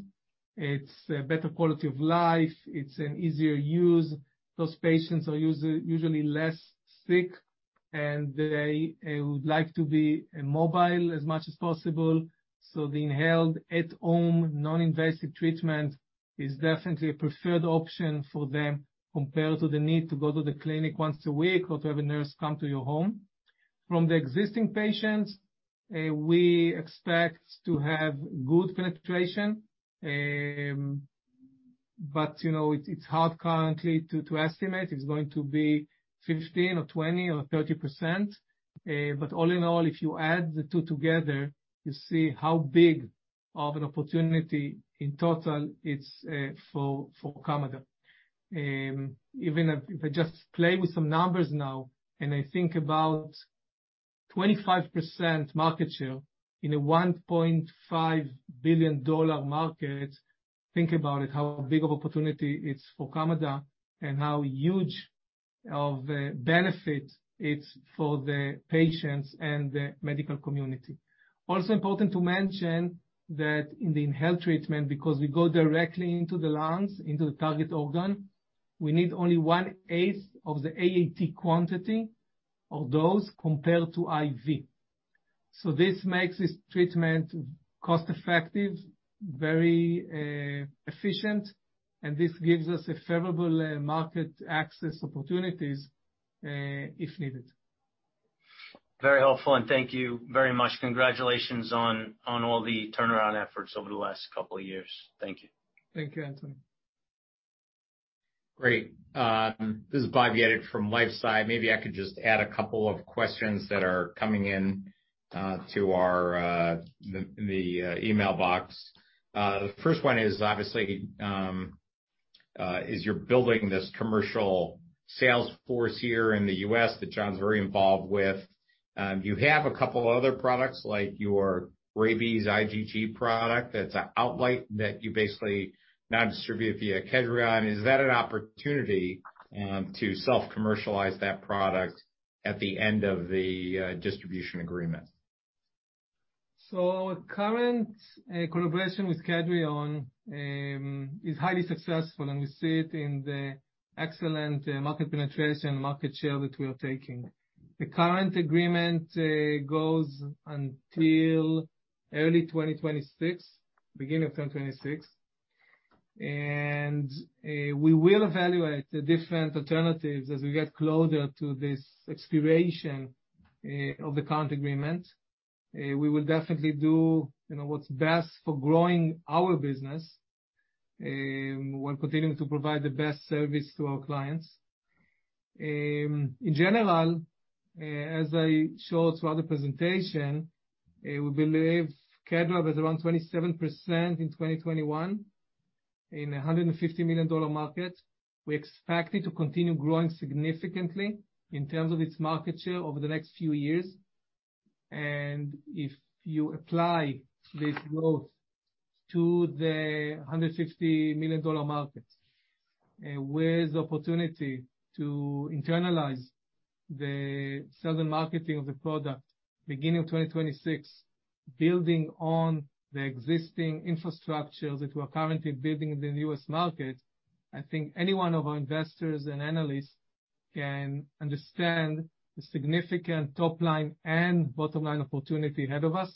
It's a better quality of life. It's an easier use. Those patients are usually less sick, and they would like to be mobile as much as possible. The inhaled at-home, non-invasive treatment is definitely a preferred option for them compared to the need to go to the clinic once a week or to have a nurse come to your home. From the existing patients, we expect to have good penetration. You know, it's hard currently to estimate it's going to be 15%, 20%, or 30%. All in all, if you add the two together, you see how big of an opportunity in total it's for Kamada. Even if I just play with some numbers now, and I think about 25% market share in a $1.5 billion market, think about it, how big of opportunity it's for Kamada and how huge of a benefit it's for the patients and the medical community. Also important to mention that in the inhaled treatment, because we go directly into the lungs, into the target organ, we need only 1/8 of the AAT quantity or dose compared to IV. This makes this treatment cost-effective, very efficient, and this gives us a favorable market access opportunities, if needed. Very helpful, and thank you very much. Congratulations on all the turnaround efforts over the last couple of years. Thank you. Thank you, Anthony. Great. This is Bob Yedid from LifeSci Advisors. Maybe I could just add a couple of questions that are coming in to our email box. The first one is obviously, is you're building this commercial sales force here in the U.S. that Jon's very involved with. You have a couple other products like your rabies IgG product that's an outlet that you basically now distribute via Kedrion. Is that an opportunity to self-commercialize that product at the end of the distribution agreement? Current collaboration with Kedrion is highly successful, and we see it in the excellent market penetration, market share that we are taking. The current agreement goes until early 2026, beginning of 2026. We will evaluate the different alternatives as we get closer to this expiration of the current agreement. We will definitely do, you know, what's best for growing our business, while continuing to provide the best service to our clients. In general, as I showed throughout the presentation, we believe Kedrion is around 27% in 2021 in a $150 million market. We expect it to continue growing significantly in terms of its market share over the next few years. If you apply this growth to the $150 million market, where's the opportunity to internalize the southern marketing of the product beginning of 2026, building on the existing infrastructure that we're currently building in the U.S. market, I think any one of our investors and analysts can understand the significant top line and bottom line opportunity ahead of us,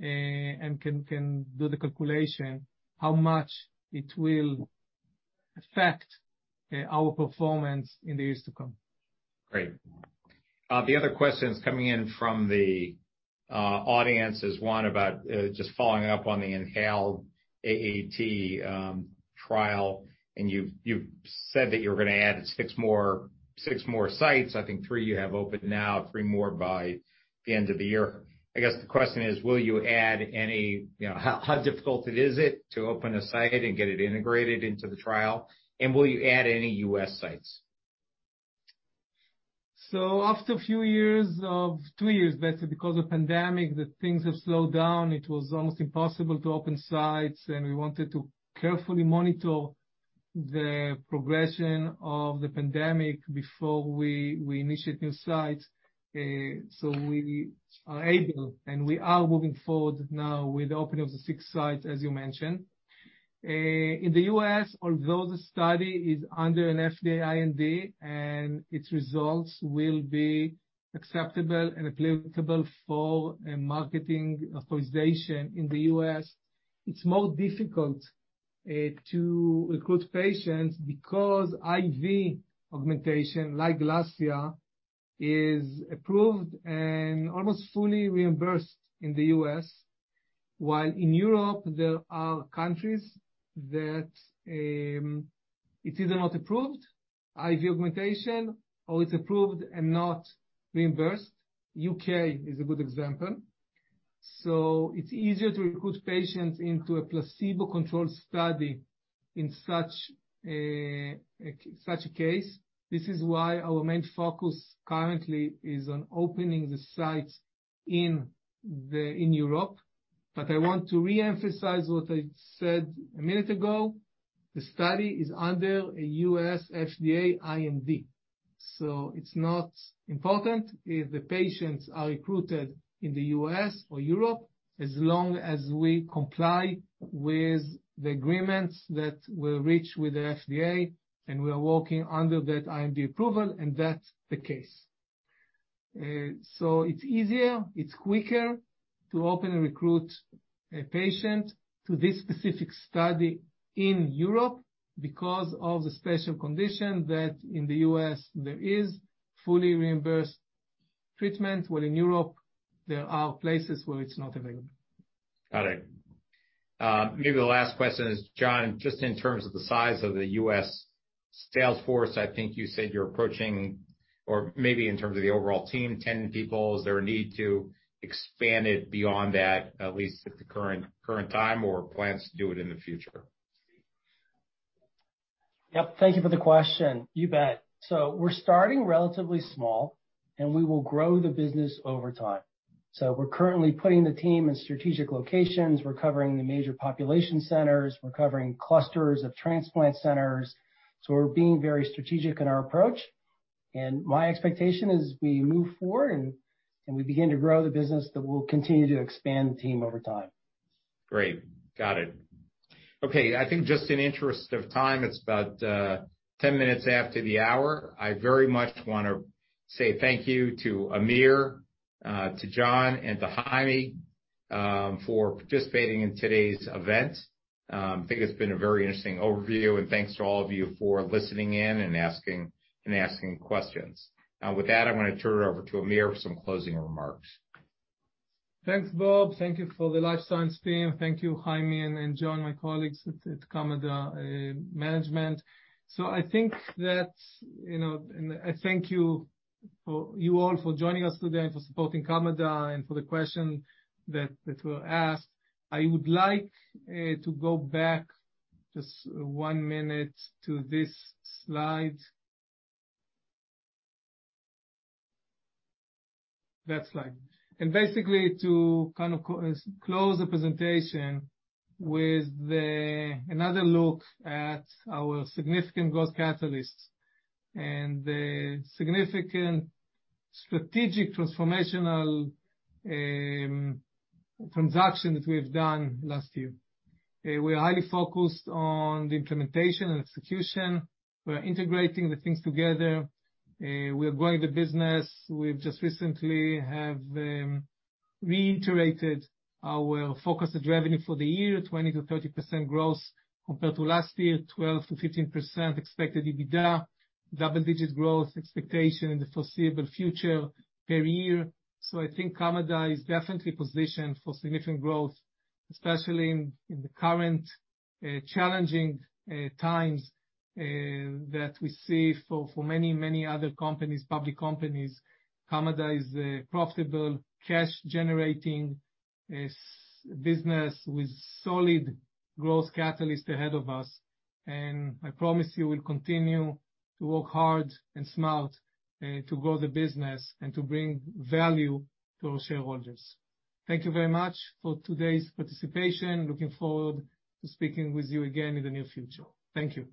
and can do the calculation, how much it will affect our performance in the years to come. Great. The other questions coming in from the audience is one about just following up on the inhaled AAT trial. You've said that you're gonna add six more sites. I think three you have open now, three more by the end of the year. I guess the question is, will you add any? How difficult is it to open a site and get it integrated into the trial? Will you add any U.S. sites? After two years, basically because of pandemic, the things have slowed down. It was almost impossible to open sites, and we wanted to carefully monitor the progression of the pandemic before we initiate new sites. We are able, and we are moving forward now with the opening of the six sites, as you mentioned. In the U.S., although the study is under an FDA IND, and its results will be acceptable and applicable for a marketing authorization in the U.S., it's more difficult to recruit patients because IV augmentation, like GLASSIA, is approved and almost fully reimbursed in the U.S. While in Europe, there are countries that it's either not approved, IV augmentation, or it's approved and not reimbursed. U.K. is a good example. It's easier to recruit patients into a placebo-controlled study in such a case. This is why our main focus currently is on opening the sites in Europe. I want to re-emphasize what I said a minute ago. The study is under a U.S. FDA IND, so it's not important if the patients are recruited in the U.S. or Europe, as long as we comply with the agreements that were reached with the FDA, and we are working under that IND approval, and that's the case. It's easier, it's quicker to open and recruit a patient to this specific study in Europe because of the special condition that in the U.S. there is fully reimbursed treatment, while in Europe there are places where it's not available. Got it. Maybe the last question is, Jon, just in terms of the size of the U.S. sales force, I think you said you're approaching, or maybe in terms of the overall team, 10 people. Is there a need to expand it beyond that, at least at the current time, or plans to do it in the future? Yep. Thank you for the question. You bet. We're starting relatively small, and we will grow the business over time. We're currently putting the team in strategic locations. We're covering the major population centers. We're covering clusters of transplant centers. We're being very strategic in our approach. My expectation as we move forward and we begin to grow the business that we'll continue to expand the team over time. Great. Got it. Okay, I think just in interest of time, it's about ten minutes after the hour. I very much wanna say thank you to Amir, to Jon, and to Chaime, for participating in today's event. I think it's been a very interesting overview, and thanks to all of you for listening in and asking questions. With that, I'm gonna turn it over to Amir for some closing remarks. Thanks, Bob. Thank you for the LifeSci Advisors team. Thank you, Haimy and Jon, my colleagues at Kamada management. I think that, you know, I thank you all for joining us today and for supporting Kamada and for the question that were asked. I would like to go back just one minute to this slide. That slide. Basically, to kind of close the presentation with another look at our significant growth catalysts and the significant strategic transformational transaction that we've done last year. We are highly focused on the implementation and execution. We are integrating the things together. We are growing the business. We've just recently reiterated our forecasted revenue for the year, 20% to 30% growth compared to last year, 12% to 15% expected EBITDA. Double-digit growth expectation in the foreseeable future per year. I think Kamada is definitely positioned for significant growth, especially in the current challenging times that we see for many other companies, public companies. Kamada is a profitable, cash-generating business with solid growth catalyst ahead of us. I promise you, we'll continue to work hard and smart to grow the business and to bring value to our shareholders. Thank you very much for today's participation. Looking forward to speaking with you again in the near future. Thank you.